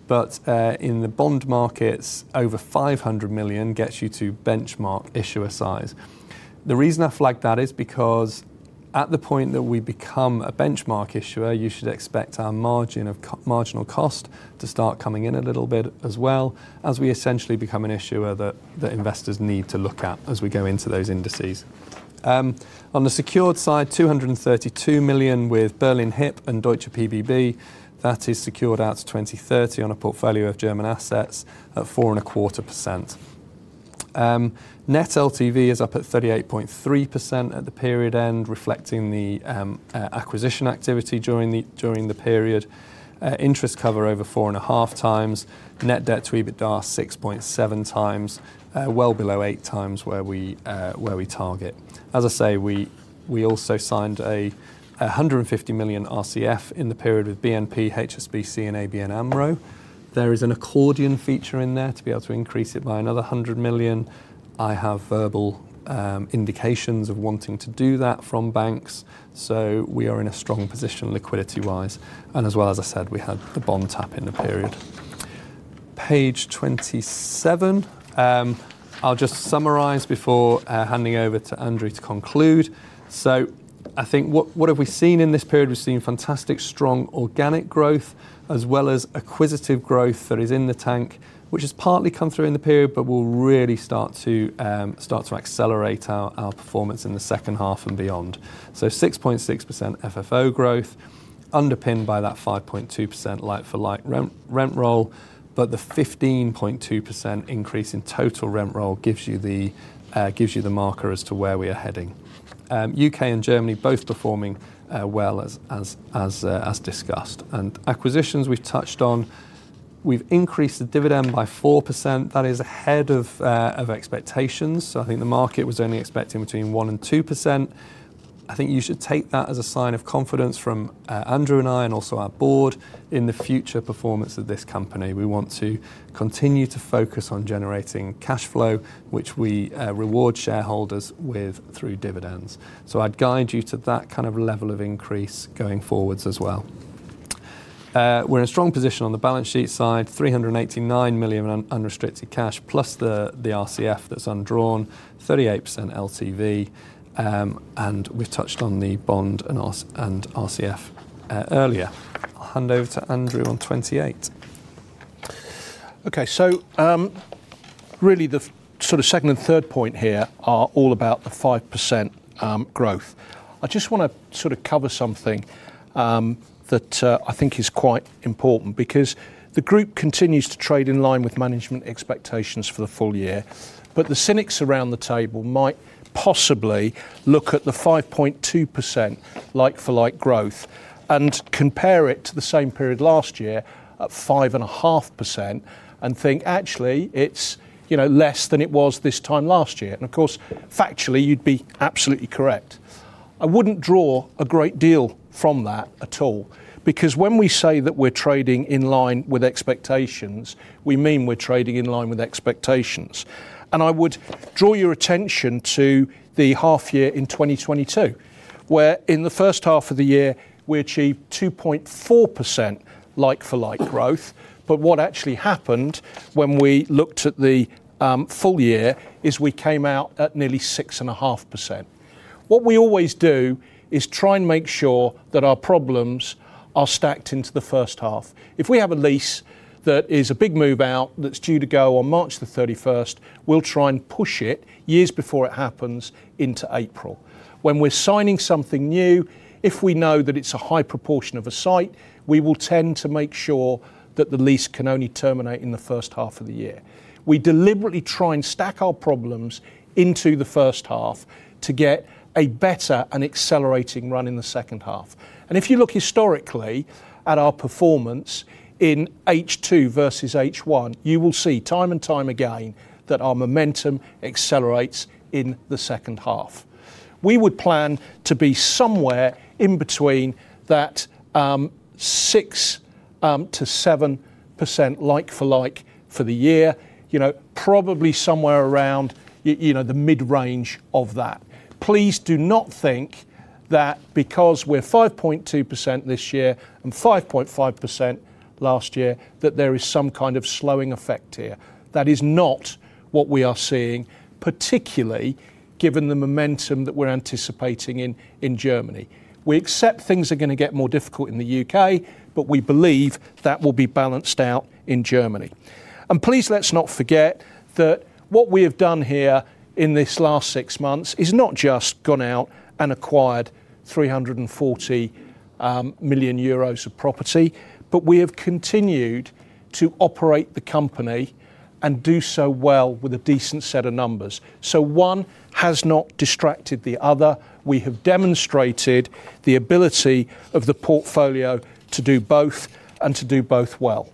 Ratings. In the bond markets, over 500 million gets you to benchmark issuer size. The reason I flagged that is because at the point that we become a benchmark issuer, you should expect our marginal cost to start coming in a little bit as well, as we essentially become an issuer that investors need to look at as we go into those indices. On the secured side, 232 million with Berlin Hyp and Deutsche Pfandbriefbank. That is secured out to 2030 on a portfolio of German assets at 4.25%. Net LTV is up at 38.3% at the period end, reflecting the acquisition activity during the period. Interest cover over 4.5 times. Net debt-to-EBITDA 6.7 times, well below 8 times where we target. As I say, we also signed a 150 million RCF in the period with BNP Paribas, HSBC, and ABN AMRO. There is an accordion feature in there to be able to increase it by another 100 million. I have verbal indications of wanting to do that from banks. We are in a strong position liquidity-wise. As well as I said, we had the bond tap in the period. Page 27. I'll just summarize before handing over to Andrew to conclude. I think what have we seen in this period? We've seen fantastic, strong organic growth, as well as acquisitive growth that is in the tank, which has partly come through in the period, but will really start to accelerate our performance in the second half and beyond. 6.6% FFO growth, underpinned by that 5.2% like-for-like rent roll. The 15.2% increase in total rent roll gives you the marker as to where we are heading. U.K. and Germany both performing well as discussed. Acquisitions we have touched on. We have increased the dividend by 4%. That is ahead of expectations. I think the market was only expecting between 1-2%. I think you should take that as a sign of confidence from Andrew and I and also our board in the future performance of this company. We want to continue to focus on generating cash flow, which we reward shareholders with through dividends. I would guide you to that kind of level of increase going forwards as well. We are in a strong position on the balance sheet side, 389 million unrestricted cash plus the RCF that is undrawn, 38% LTV. We have touched on the bond and RCF earlier. I will hand over to Andrew on 28. Okay, so really the sort of second and third point here are all about the 5% growth. I just want to sort of cover something that I think is quite important because the group continues to trade in line with management expectations for the full year. The cynics around the table might possibly look at the 5.2% like-for-like growth and compare it to the same period last year at 5.5% and think, "Actually, it's less than it was this time last year." Of course, factually, you'd be absolutely correct. I wouldn't draw a great deal from that at all. Because when we say that we're trading in line with expectations, we mean we're trading in line with expectations. I would draw your attention to the half year in 2022, where in the first half of the year, we achieved 2.4% like-for-like growth. What actually happened when we looked at the full year is we came out at nearly 6.5%. What we always do is try and make sure that our problems are stacked into the first half. If we have a lease that is a big move out that is due to go on March 31, we will try and push it years before it happens into April. When we are signing something new, if we know that it is a high proportion of a site, we will tend to make sure that the lease can only terminate in the first half of the year. We deliberately try and stack our problems into the first half to get a better and accelerating run in the second half. If you look historically at our performance in H2 versus H1, you will see time and time again that our momentum accelerates in the second half. We would plan to be somewhere in between that 6%-7% like-for-like for the year, probably somewhere around the mid-range of that. Please do not think that because we're at 5.2% this year and 5.5% last year, that there is some kind of slowing effect here. That is not what we are seeing, particularly given the momentum that we're anticipating in Germany. We accept things are going to get more difficult in the U.K., but we believe that will be balanced out in Germany. Please let's not forget that what we have done here in this last six months is not just gone out and acquired 340 million euros of property, but we have continued to operate the company and do so well with a decent set of numbers. One has not distracted the other. We have demonstrated the ability of the portfolio to do both and to do both well.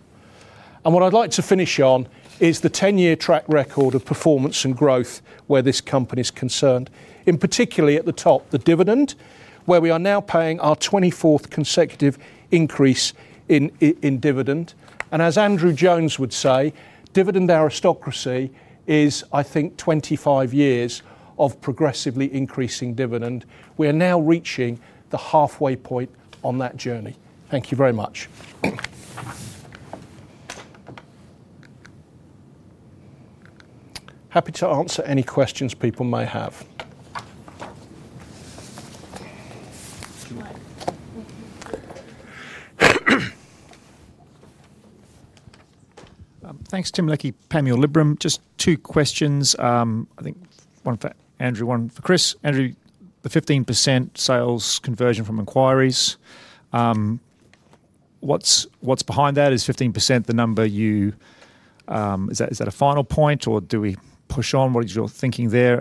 What I'd like to finish on is the 10-year track record of performance and growth where this company is concerned, in particular at the top, the dividend, where we are now paying our 24th consecutive increase in dividend. As Andrew Jones would say, dividend aristocracy is, I think, 25 years of progressively increasing dividend. We are now reaching the halfway point on that journey. Thank you very much. Happy to answer any questions people may have. Thanks, Tim Leckie, PEMI or Liberum. Just two questions. I think one for Andrew, one for Chris. Andrew, the 15% sales conversion from inquiries. What's behind that? Is 15% the number you—is that a final point, or do we push on? What is your thinking there?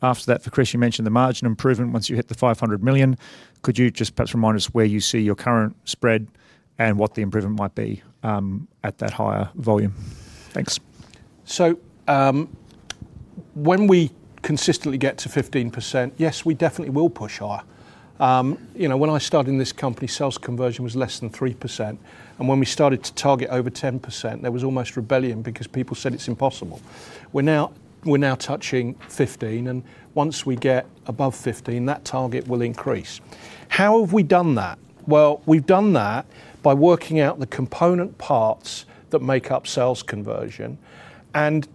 After that, for Chris, you mentioned the margin improvement. Once you hit the 500 million, could you just perhaps remind us where you see your current spread and what the improvement might be at that higher volume? Thanks. When we consistently get to 15%, yes, we definitely will push higher. When I started in this company, sales conversion was less than 3%. When we started to target over 10%, there was almost rebellion because people said it is impossible. We are now touching 15%, and once we get above 15%, that target will increase. How have we done that? We have done that by working out the component parts that make up sales conversion.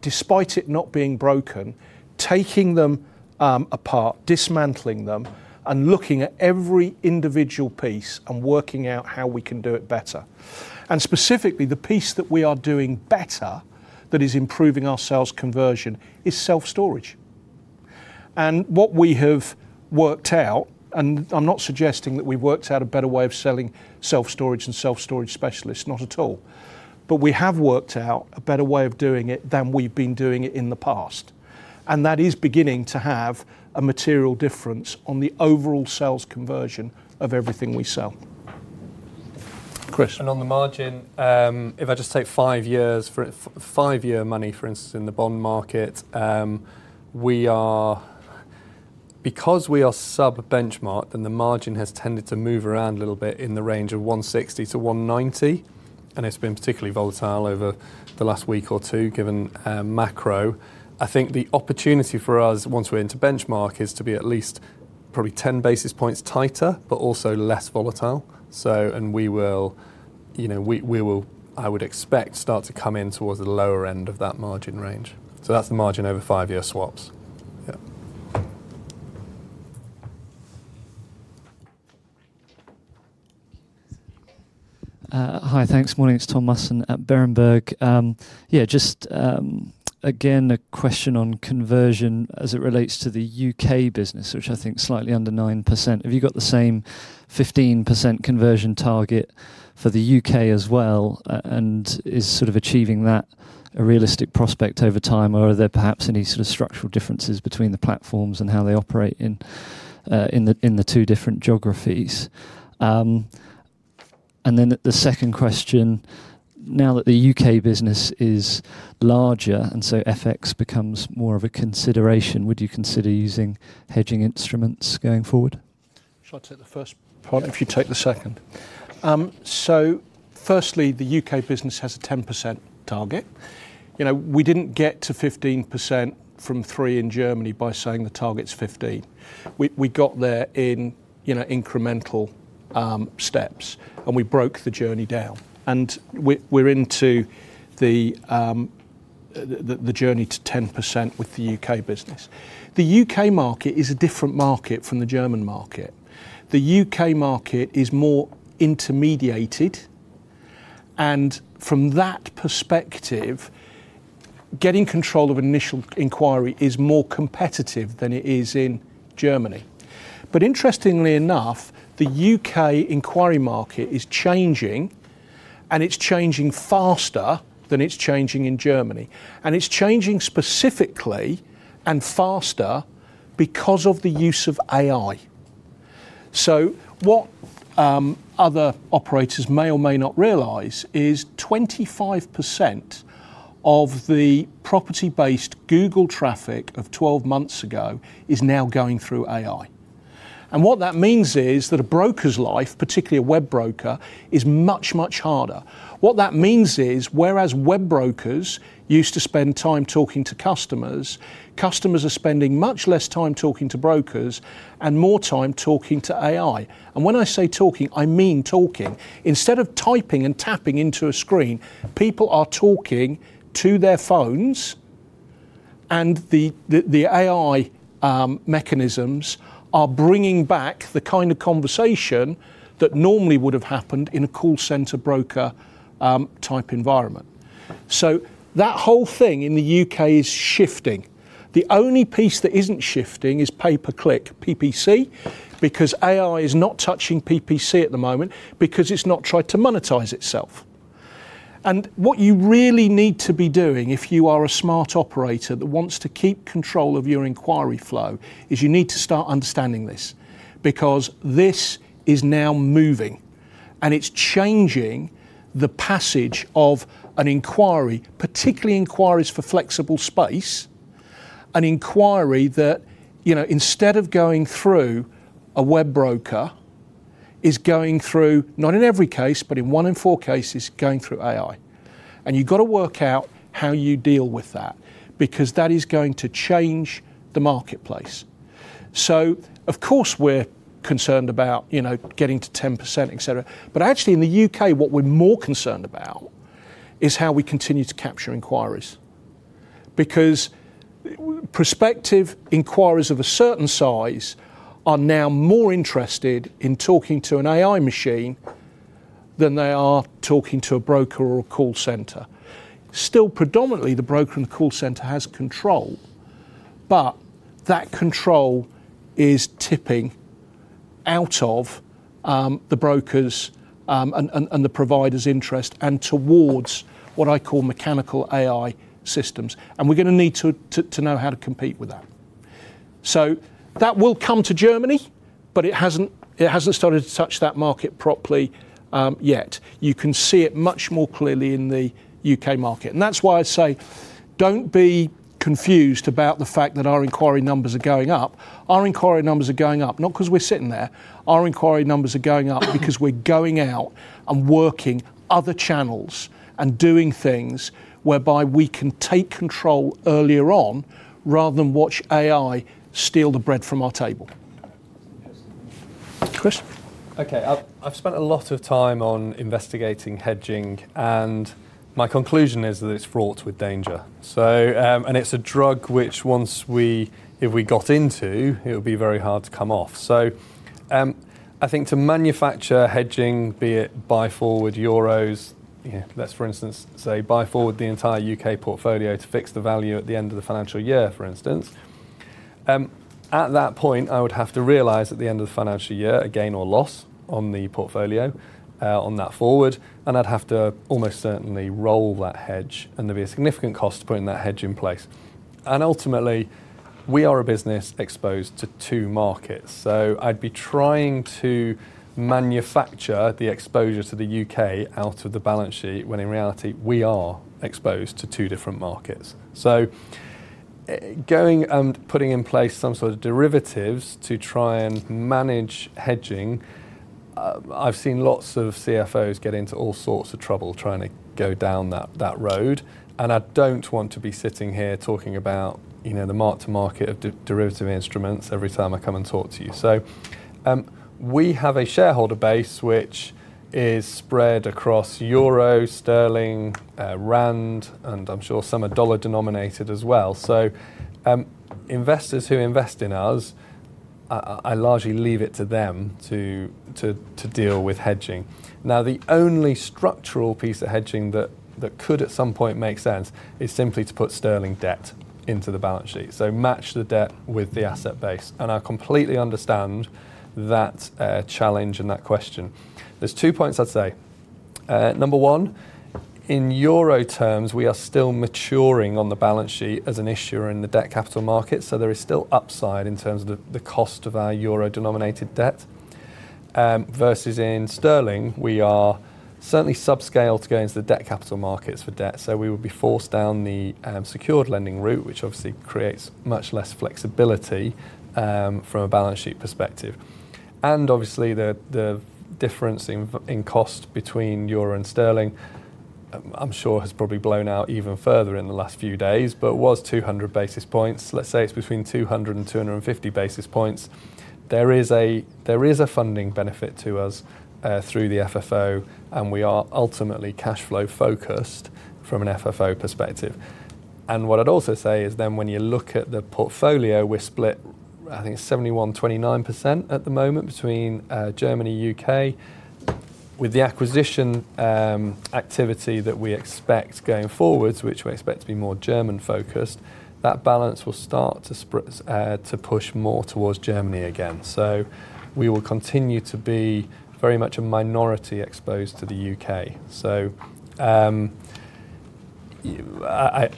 Despite it not being broken, taking them apart, dismantling them, and looking at every individual piece and working out how we can do it better. Specifically, the piece that we are doing better that is improving our sales conversion is self-storage. What we have worked out, and I'm not suggesting that we've worked out a better way of selling self-storage than self-storage specialists, not at all. We have worked out a better way of doing it than we've been doing it in the past. That is beginning to have a material difference on the overall sales conversion of everything we sell. Chris. On the margin, if I just take five-year money, for instance, in the bond market, because we are sub-benchmark, the margin has tended to move around a little bit in the range of 160-190. It has been particularly volatile over the last week or two, given macro. I think the opportunity for us, once we're into benchmark, is to be at least probably 10 basis points tighter, but also less volatile. We will, I would expect, start to come in towards the lower end of that margin range. That is the margin over five-year swaps. Yeah. Hi, thanks. Morning. It's Tom Musson at Berenberg. Yeah, just again, a question on conversion as it relates to the U.K. business, which I think is slightly under 9%. Have you got the same 15% conversion target for the U.K. as well? Is sort of achieving that a realistic prospect over time, or are there perhaps any sort of structural differences between the platforms and how they operate in the two different geographies? Then the second question, now that the U.K. business is larger, and so FX becomes more of a consideration, would you consider using hedging instruments going forward? Should I take the first part if you take the second? Firstly, the U.K. business has a 10% target. We did not get to 15% from 3 in Germany by saying the target is 15%. We got there in incremental steps, and we broke the journey down. We are into the journey to 10% with the U.K. business. The U.K. market is a different market from the German market. The U.K. market is more intermediated. From that perspective, getting control of initial inquiry is more competitive than it is in Germany. Interestingly enough, the U.K. inquiry market is changing, and it is changing faster than it is changing in Germany. It is changing specifically and faster because of the use of AI. What other operators may or may not realize is 25% of the property-based Google traffic of 12 months ago is now going through AI. What that means is that a broker's life, particularly a web broker, is much, much harder. What that means is, whereas web brokers used to spend time talking to customers, customers are spending much less time talking to brokers and more time talking to AI. When I say talking, I mean talking. Instead of typing and tapping into a screen, people are talking to their phones, and the AI mechanisms are bringing back the kind of conversation that normally would have happened in a call center broker type environment. That whole thing in the U.K. is shifting. The only piece that is not shifting is pay-per-click PPC because AI is not touching PPC at the moment because it has not tried to monetize itself. What you really need to be doing if you are a smart operator that wants to keep control of your inquiry flow is you need to start understanding this because this is now moving, and it's changing the passage of an inquiry, particularly inquiries for flexible space, an inquiry that instead of going through a web broker is going through, not in every case, but in one in four cases, going through AI. You have to work out how you deal with that because that is going to change the marketplace. Of course, we're concerned about getting to 10%, etc. Actually, in the U.K., what we're more concerned about is how we continue to capture inquiries because prospective inquiries of a certain size are now more interested in talking to an AI machine than they are talking to a broker or a call center. Still, predominantly, the broker and the call center has control, but that control is tipping out of the broker's and the provider's interest and towards what I call mechanical AI systems. We are going to need to know how to compete with that. That will come to Germany, but it has not started to touch that market properly yet. You can see it much more clearly in the U.K. market. That is why I say do not be confused about the fact that our inquiry numbers are going up. Our inquiry numbers are going up, not because we are sitting there. Our inquiry numbers are going up because we are going out and working other channels and doing things whereby we can take control earlier on rather than watch AI steal the bread from our table. Chris. Okay. I've spent a lot of time on investigating hedging, and my conclusion is that it's fraught with danger. It's a drug which, once we got into, it would be very hard to come off. I think to manufacture hedging, be it buy forward euros, let's, for instance, say buy forward the entire U.K. portfolio to fix the value at the end of the financial year, for instance, at that point, I would have to realize at the end of the financial year, a gain or loss on the portfolio on that forward, and I'd have to almost certainly roll that hedge. There would be a significant cost to putting that hedge in place. Ultimately, we are a business exposed to two markets. I'd be trying to manufacture the exposure to the U.K. out of the balance sheet when, in reality, we are exposed to two different markets. Going and putting in place some sort of derivatives to try and manage hedging, I've seen lots of CFOs get into all sorts of trouble trying to go down that road. I don't want to be sitting here talking about the mark-to-market of derivative instruments every time I come and talk to you. We have a shareholder base which is spread across euro, sterling, rand, and I'm sure some are dollar-denominated as well. Investors who invest in us, I largely leave it to them to deal with hedging. Now, the only structural piece of hedging that could at some point make sense is simply to put sterling debt into the balance sheet, so match the debt with the asset base. I completely understand that challenge and that question. There are two points I'd say. Number one, in euro terms, we are still maturing on the balance sheet as an issuer in the debt capital market. There is still upside in terms of the cost of our euro-denominated debt versus in sterling. We are certainly subscaled to go into the debt capital markets for debt. We would be forced down the secured lending route, which obviously creates much less flexibility from a balance sheet perspective. Obviously, the difference in cost between euro and sterling, I'm sure, has probably blown out even further in the last few days, but was 200 basis points. Let's say it is between 200-250 basis points. There is a funding benefit to us through the FFO, and we are ultimately cash flow focused from an FFO perspective. What I'd also say is when you look at the portfolio, we're split, I think, 71%-29% at the moment between Germany and the U.K. With the acquisition activity that we expect going forwards, which we expect to be more German-focused, that balance will start to push more towards Germany again. We will continue to be very much a minority exposed to the U.K. I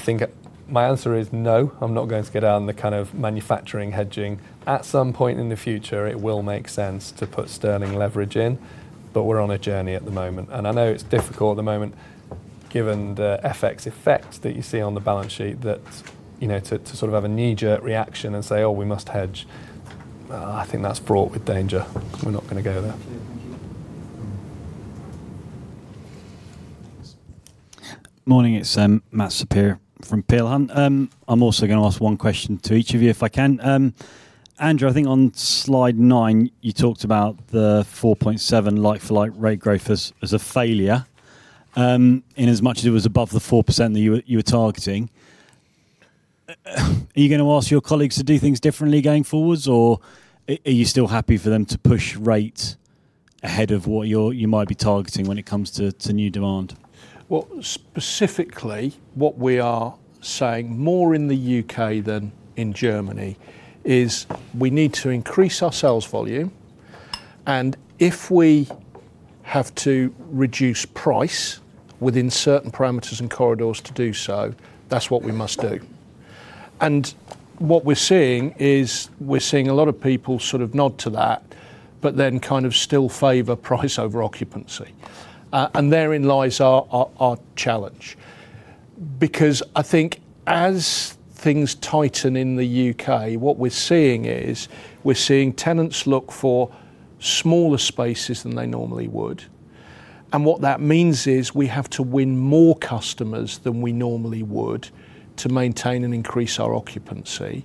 think my answer is no. I'm not going to get on the kind of manufacturing hedging. At some point in the future, it will make sense to put sterling leverage in, but we're on a journey at the moment. I know it's difficult at the moment, given the FX effect that you see on the balance sheet, to sort of have a knee-jerk reaction and say, "Oh, we must hedge." I think that's fraught with danger. We're not going to go there. Morning. It's [Matt Sapir] from [Peel Hunt]. I'm also going to ask one question to each of you, if I can. Andrew, I think on slide nine, you talked about the 4.7% like-for-like rate growth as a failure in as much as it was above the 4% that you were targeting. Are you going to ask your colleagues to do things differently going forwards, or are you still happy for them to push rate ahead of what you might be targeting when it comes to new demand? Specifically, what we are saying more in the U.K. than in Germany is we need to increase our sales volume. If we have to reduce price within certain parameters and corridors to do so, that's what we must do. What we're seeing is we're seeing a lot of people sort of nod to that, but then kind of still favor price over occupancy. Therein lies our challenge. I think as things tighten in the U.K., what we're seeing is we're seeing tenants look for smaller spaces than they normally would. What that means is we have to win more customers than we normally would to maintain and increase our occupancy.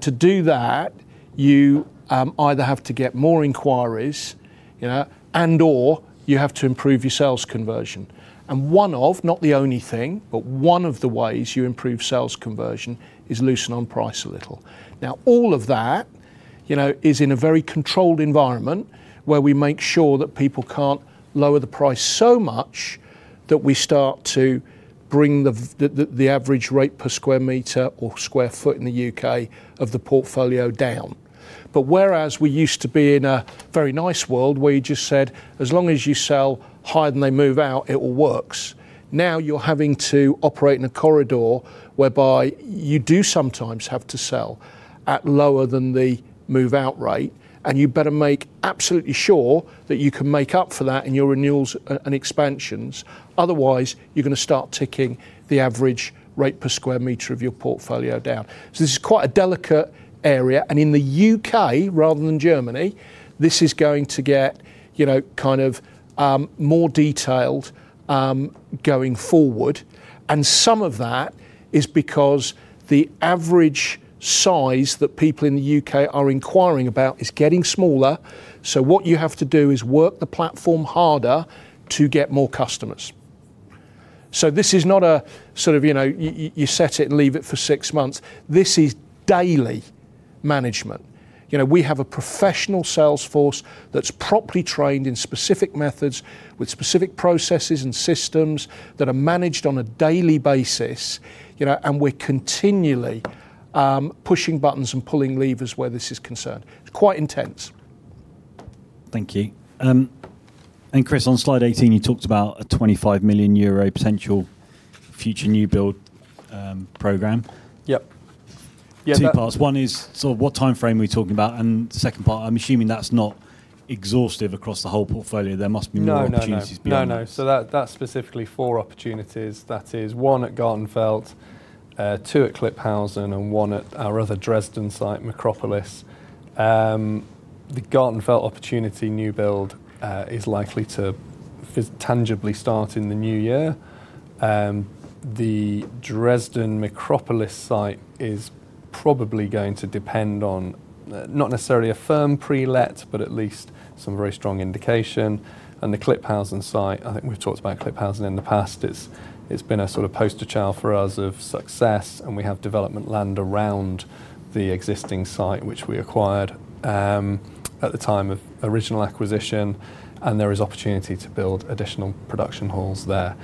To do that, you either have to get more inquiries and/or you have to improve your sales conversion. One of, not the only thing, but one of the ways you improve sales conversion is loosen on price a little. Now, all of that is in a very controlled environment where we make sure that people cannot lower the price so much that we start to bring the average rate per sq m or sq ft in the U.K. of the portfolio down. Whereas we used to be in a very nice world where you just said, "As long as you sell higher than they move out, it all works." Now you are having to operate in a corridor whereby you do sometimes have to sell at lower than the move-out rate, and you better make absolutely sure that you can make up for that in your renewals and expansions. Otherwise, you are going to start ticking the average rate per sq m of your portfolio down. This is quite a delicate area. In the U.K., rather than Germany, this is going to get kind of more detailed going forward. Some of that is because the average size that people in the U.K. are inquiring about is getting smaller. What you have to do is work the platform harder to get more customers. This is not a sort of you set it and leave it for six months. This is daily management. We have a professional salesforce that is properly trained in specific methods with specific processes and systems that are managed on a daily basis, and we are continually pushing buttons and pulling levers where this is concerned. It is quite intense. Thank you. Chris, on slide 18, you talked about a 25 million euro potential future new build program. Yep. Two parts. One is sort of what timeframe are we talking about? The second part, I'm assuming that's not exhaustive across the whole portfolio. There must be more opportunities beyond. No, no, no. That is specifically four opportunities. That is one at Gartenfeld, two at [[Cliphousen]], and one at our other Dresden site, Macropolis. The Gartenfeld opportunity new build is likely to tangibly start in the new year. The Dresden Macropolis site is probably going to depend on not necessarily a firm pre-let, but at least some very strong indication. The [Cliphousen] site, I think we've talked about [Cliphousen] in the past, it's been a sort of poster child for us of success, and we have development land around the existing site, which we acquired at the time of original acquisition. There is opportunity to build additional production halls there.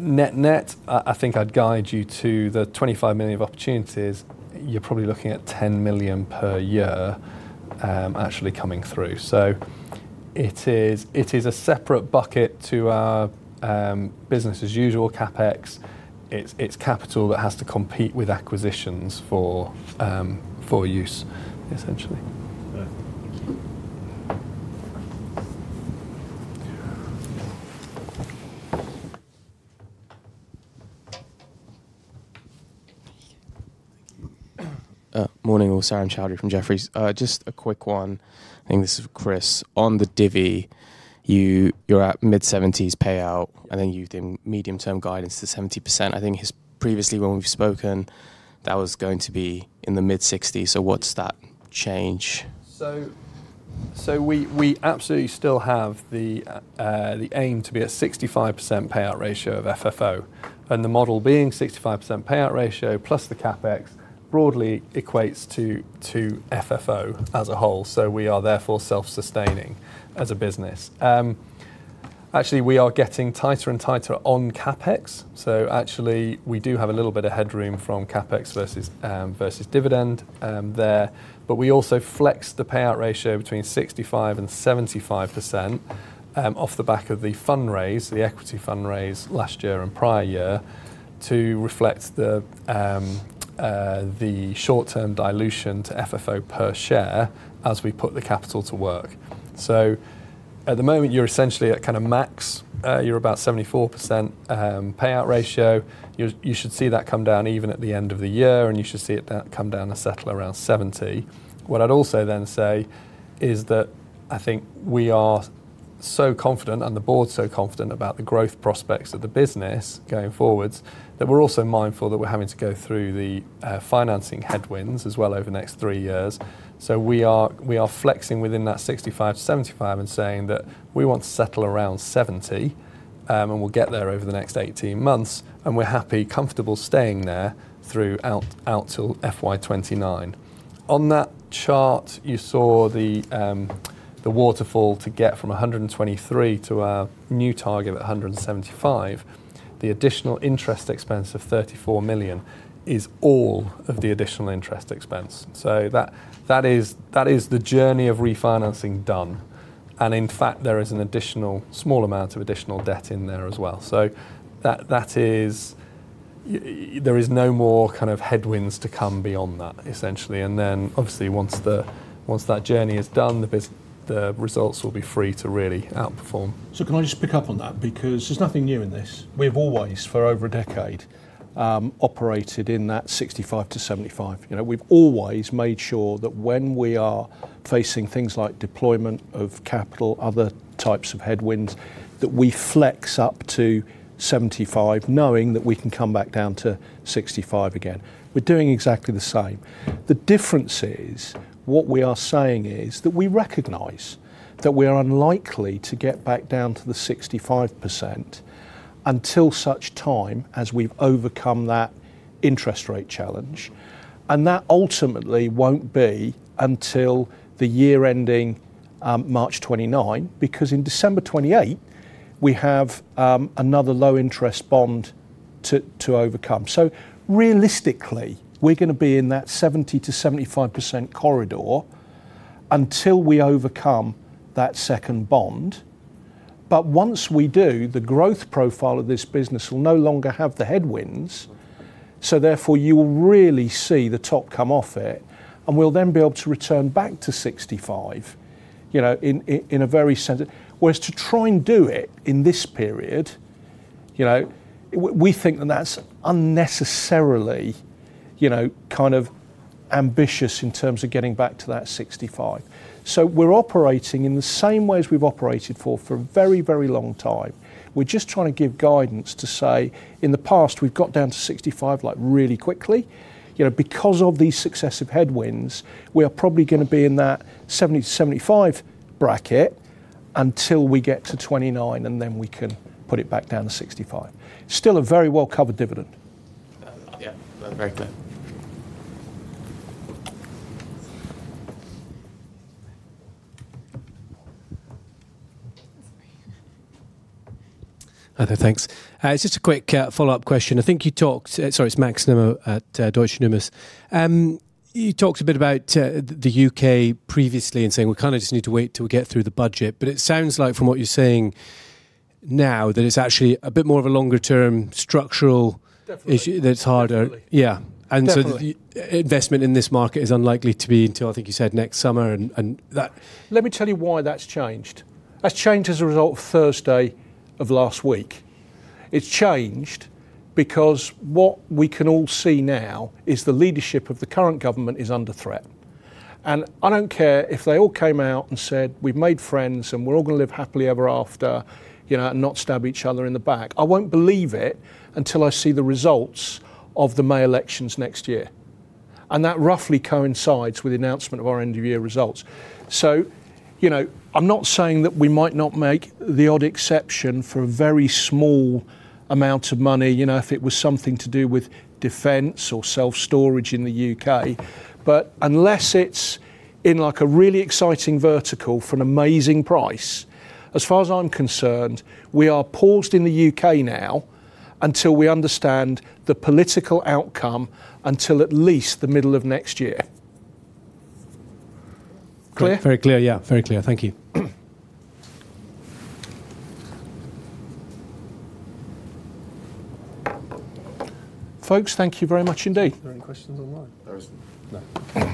Net-net, I think I'd guide you to the 25 million of opportunities, you're probably looking at 10 million per year actually coming through. It is a separate bucket to our business-as-usual CapEx. It's capital that has to compete with acquisitions for use, essentially. Morning. Sarah McCowdery from Jefferies. Just a quick one. I think this is Chris. On the Divvy, you're at mid-70% payout, and then you've done medium-term guidance to 70%. I think previously, when we've spoken, that was going to be in the mid-60%. What's that change? We absolutely still have the aim to be at 65% payout ratio of FFO. The model being 65% payout ratio plus the CapEx broadly equates to FFO as a whole. We are therefore self-sustaining as a business. Actually, we are getting tighter and tighter on CapEx. Actually, we do have a little bit of headroom from CapEx versus dividend there. We also flex the payout ratio between 65%-75% off the back of the equity fundraise last year and prior year to reflect the short-term dilution to FFO per share as we put the capital to work. At the moment, you're essentially at kind of max. You're about 74% payout ratio. You should see that come down even at the end of the year, and you should see it come down and settle around 70%. What I'd also then say is that I think we are so confident, and the board's so confident about the growth prospects of the business going forwards, that we're also mindful that we're having to go through the financing headwinds as well over the next three years. We are flexing within that 65%-75% and saying that we want to settle around 70%, and we'll get there over the next 18 months. We're happy, comfortable staying there throughout till FY2029. On that chart, you saw the waterfall to get from 123 to our new target at 175. The additional interest expense of 34 million is all of the additional interest expense. That is the journey of refinancing done. In fact, there is an additional small amount of additional debt in there as well. There is no more kind of headwinds to come beyond that, essentially. Obviously, once that journey is done, the results will be free to really outperform. Can I just pick up on that? There's nothing new in this. We've always, for over a decade, operated in that 65%-75% range. We've always made sure that when we are facing things like deployment of capital, other types of headwinds, that we flex up to 75%, knowing that we can come back down to 65% again. We're doing exactly the same. The difference is what we are saying is that we recognize that we are unlikely to get back down to the 65% until such time as we've overcome that interest rate challenge. That ultimately will not be until the year-ending March 2029, because in December 2028, we have another low-interest bond to overcome. Realistically, we are going to be in that 70%-75% corridor until we overcome that second bond. Once we do, the growth profile of this business will no longer have the headwinds. Therefore, you will really see the top come off it, and we'll then be able to return back to 65% in a very sensitive way. Whereas to try and do it in this period, we think that that's unnecessarily kind of ambitious in terms of getting back to that 65%. We are operating in the same way as we've operated for a very, very long time. We're just trying to give guidance to say, in the past, we've got down to 65% really quickly. Because of these successive headwinds, we are probably going to be in that 70%-75% bracket until we get to 2029, and then we can put it back down to 65%. Still a very well-covered dividend. Yeah. Very clear. Thanks. Just a quick follow-up question. I think you talked—sorry, it's Max Nimmo at Deutsche Numis. You talked a bit about the U.K. previously and saying we kind of just need to wait till we get through the budget. It sounds like, from what you're saying now, that it's actually a bit more of a longer-term structural issue that's harder. Yeah. Investment in this market is unlikely to be until, I think you said, next summer and that. Let me tell you why that's changed. That's changed as a result of Thursday of last week. It's changed because what we can all see now is the leadership of the current government is under threat. I don't care if they all came out and said, "We've made friends, and we're all going to live happily ever after and not stab each other in the back." I won't believe it until I see the results of the May elections next year. That roughly coincides with the announcement of our end-of-year results. I'm not saying that we might not make the odd exception for a very small amount of money if it was something to do with defense or self-storage in the U.K. Unless it's in a really exciting vertical for an amazing price, as far as I'm concerned, we are paused in the U.K. now until we understand the political outcome until at least the middle of next year. Clear? Very clear. Yeah. Very clear. Thank you. Folks, thank you very much indeed. Are there any questions online? There isn't. No.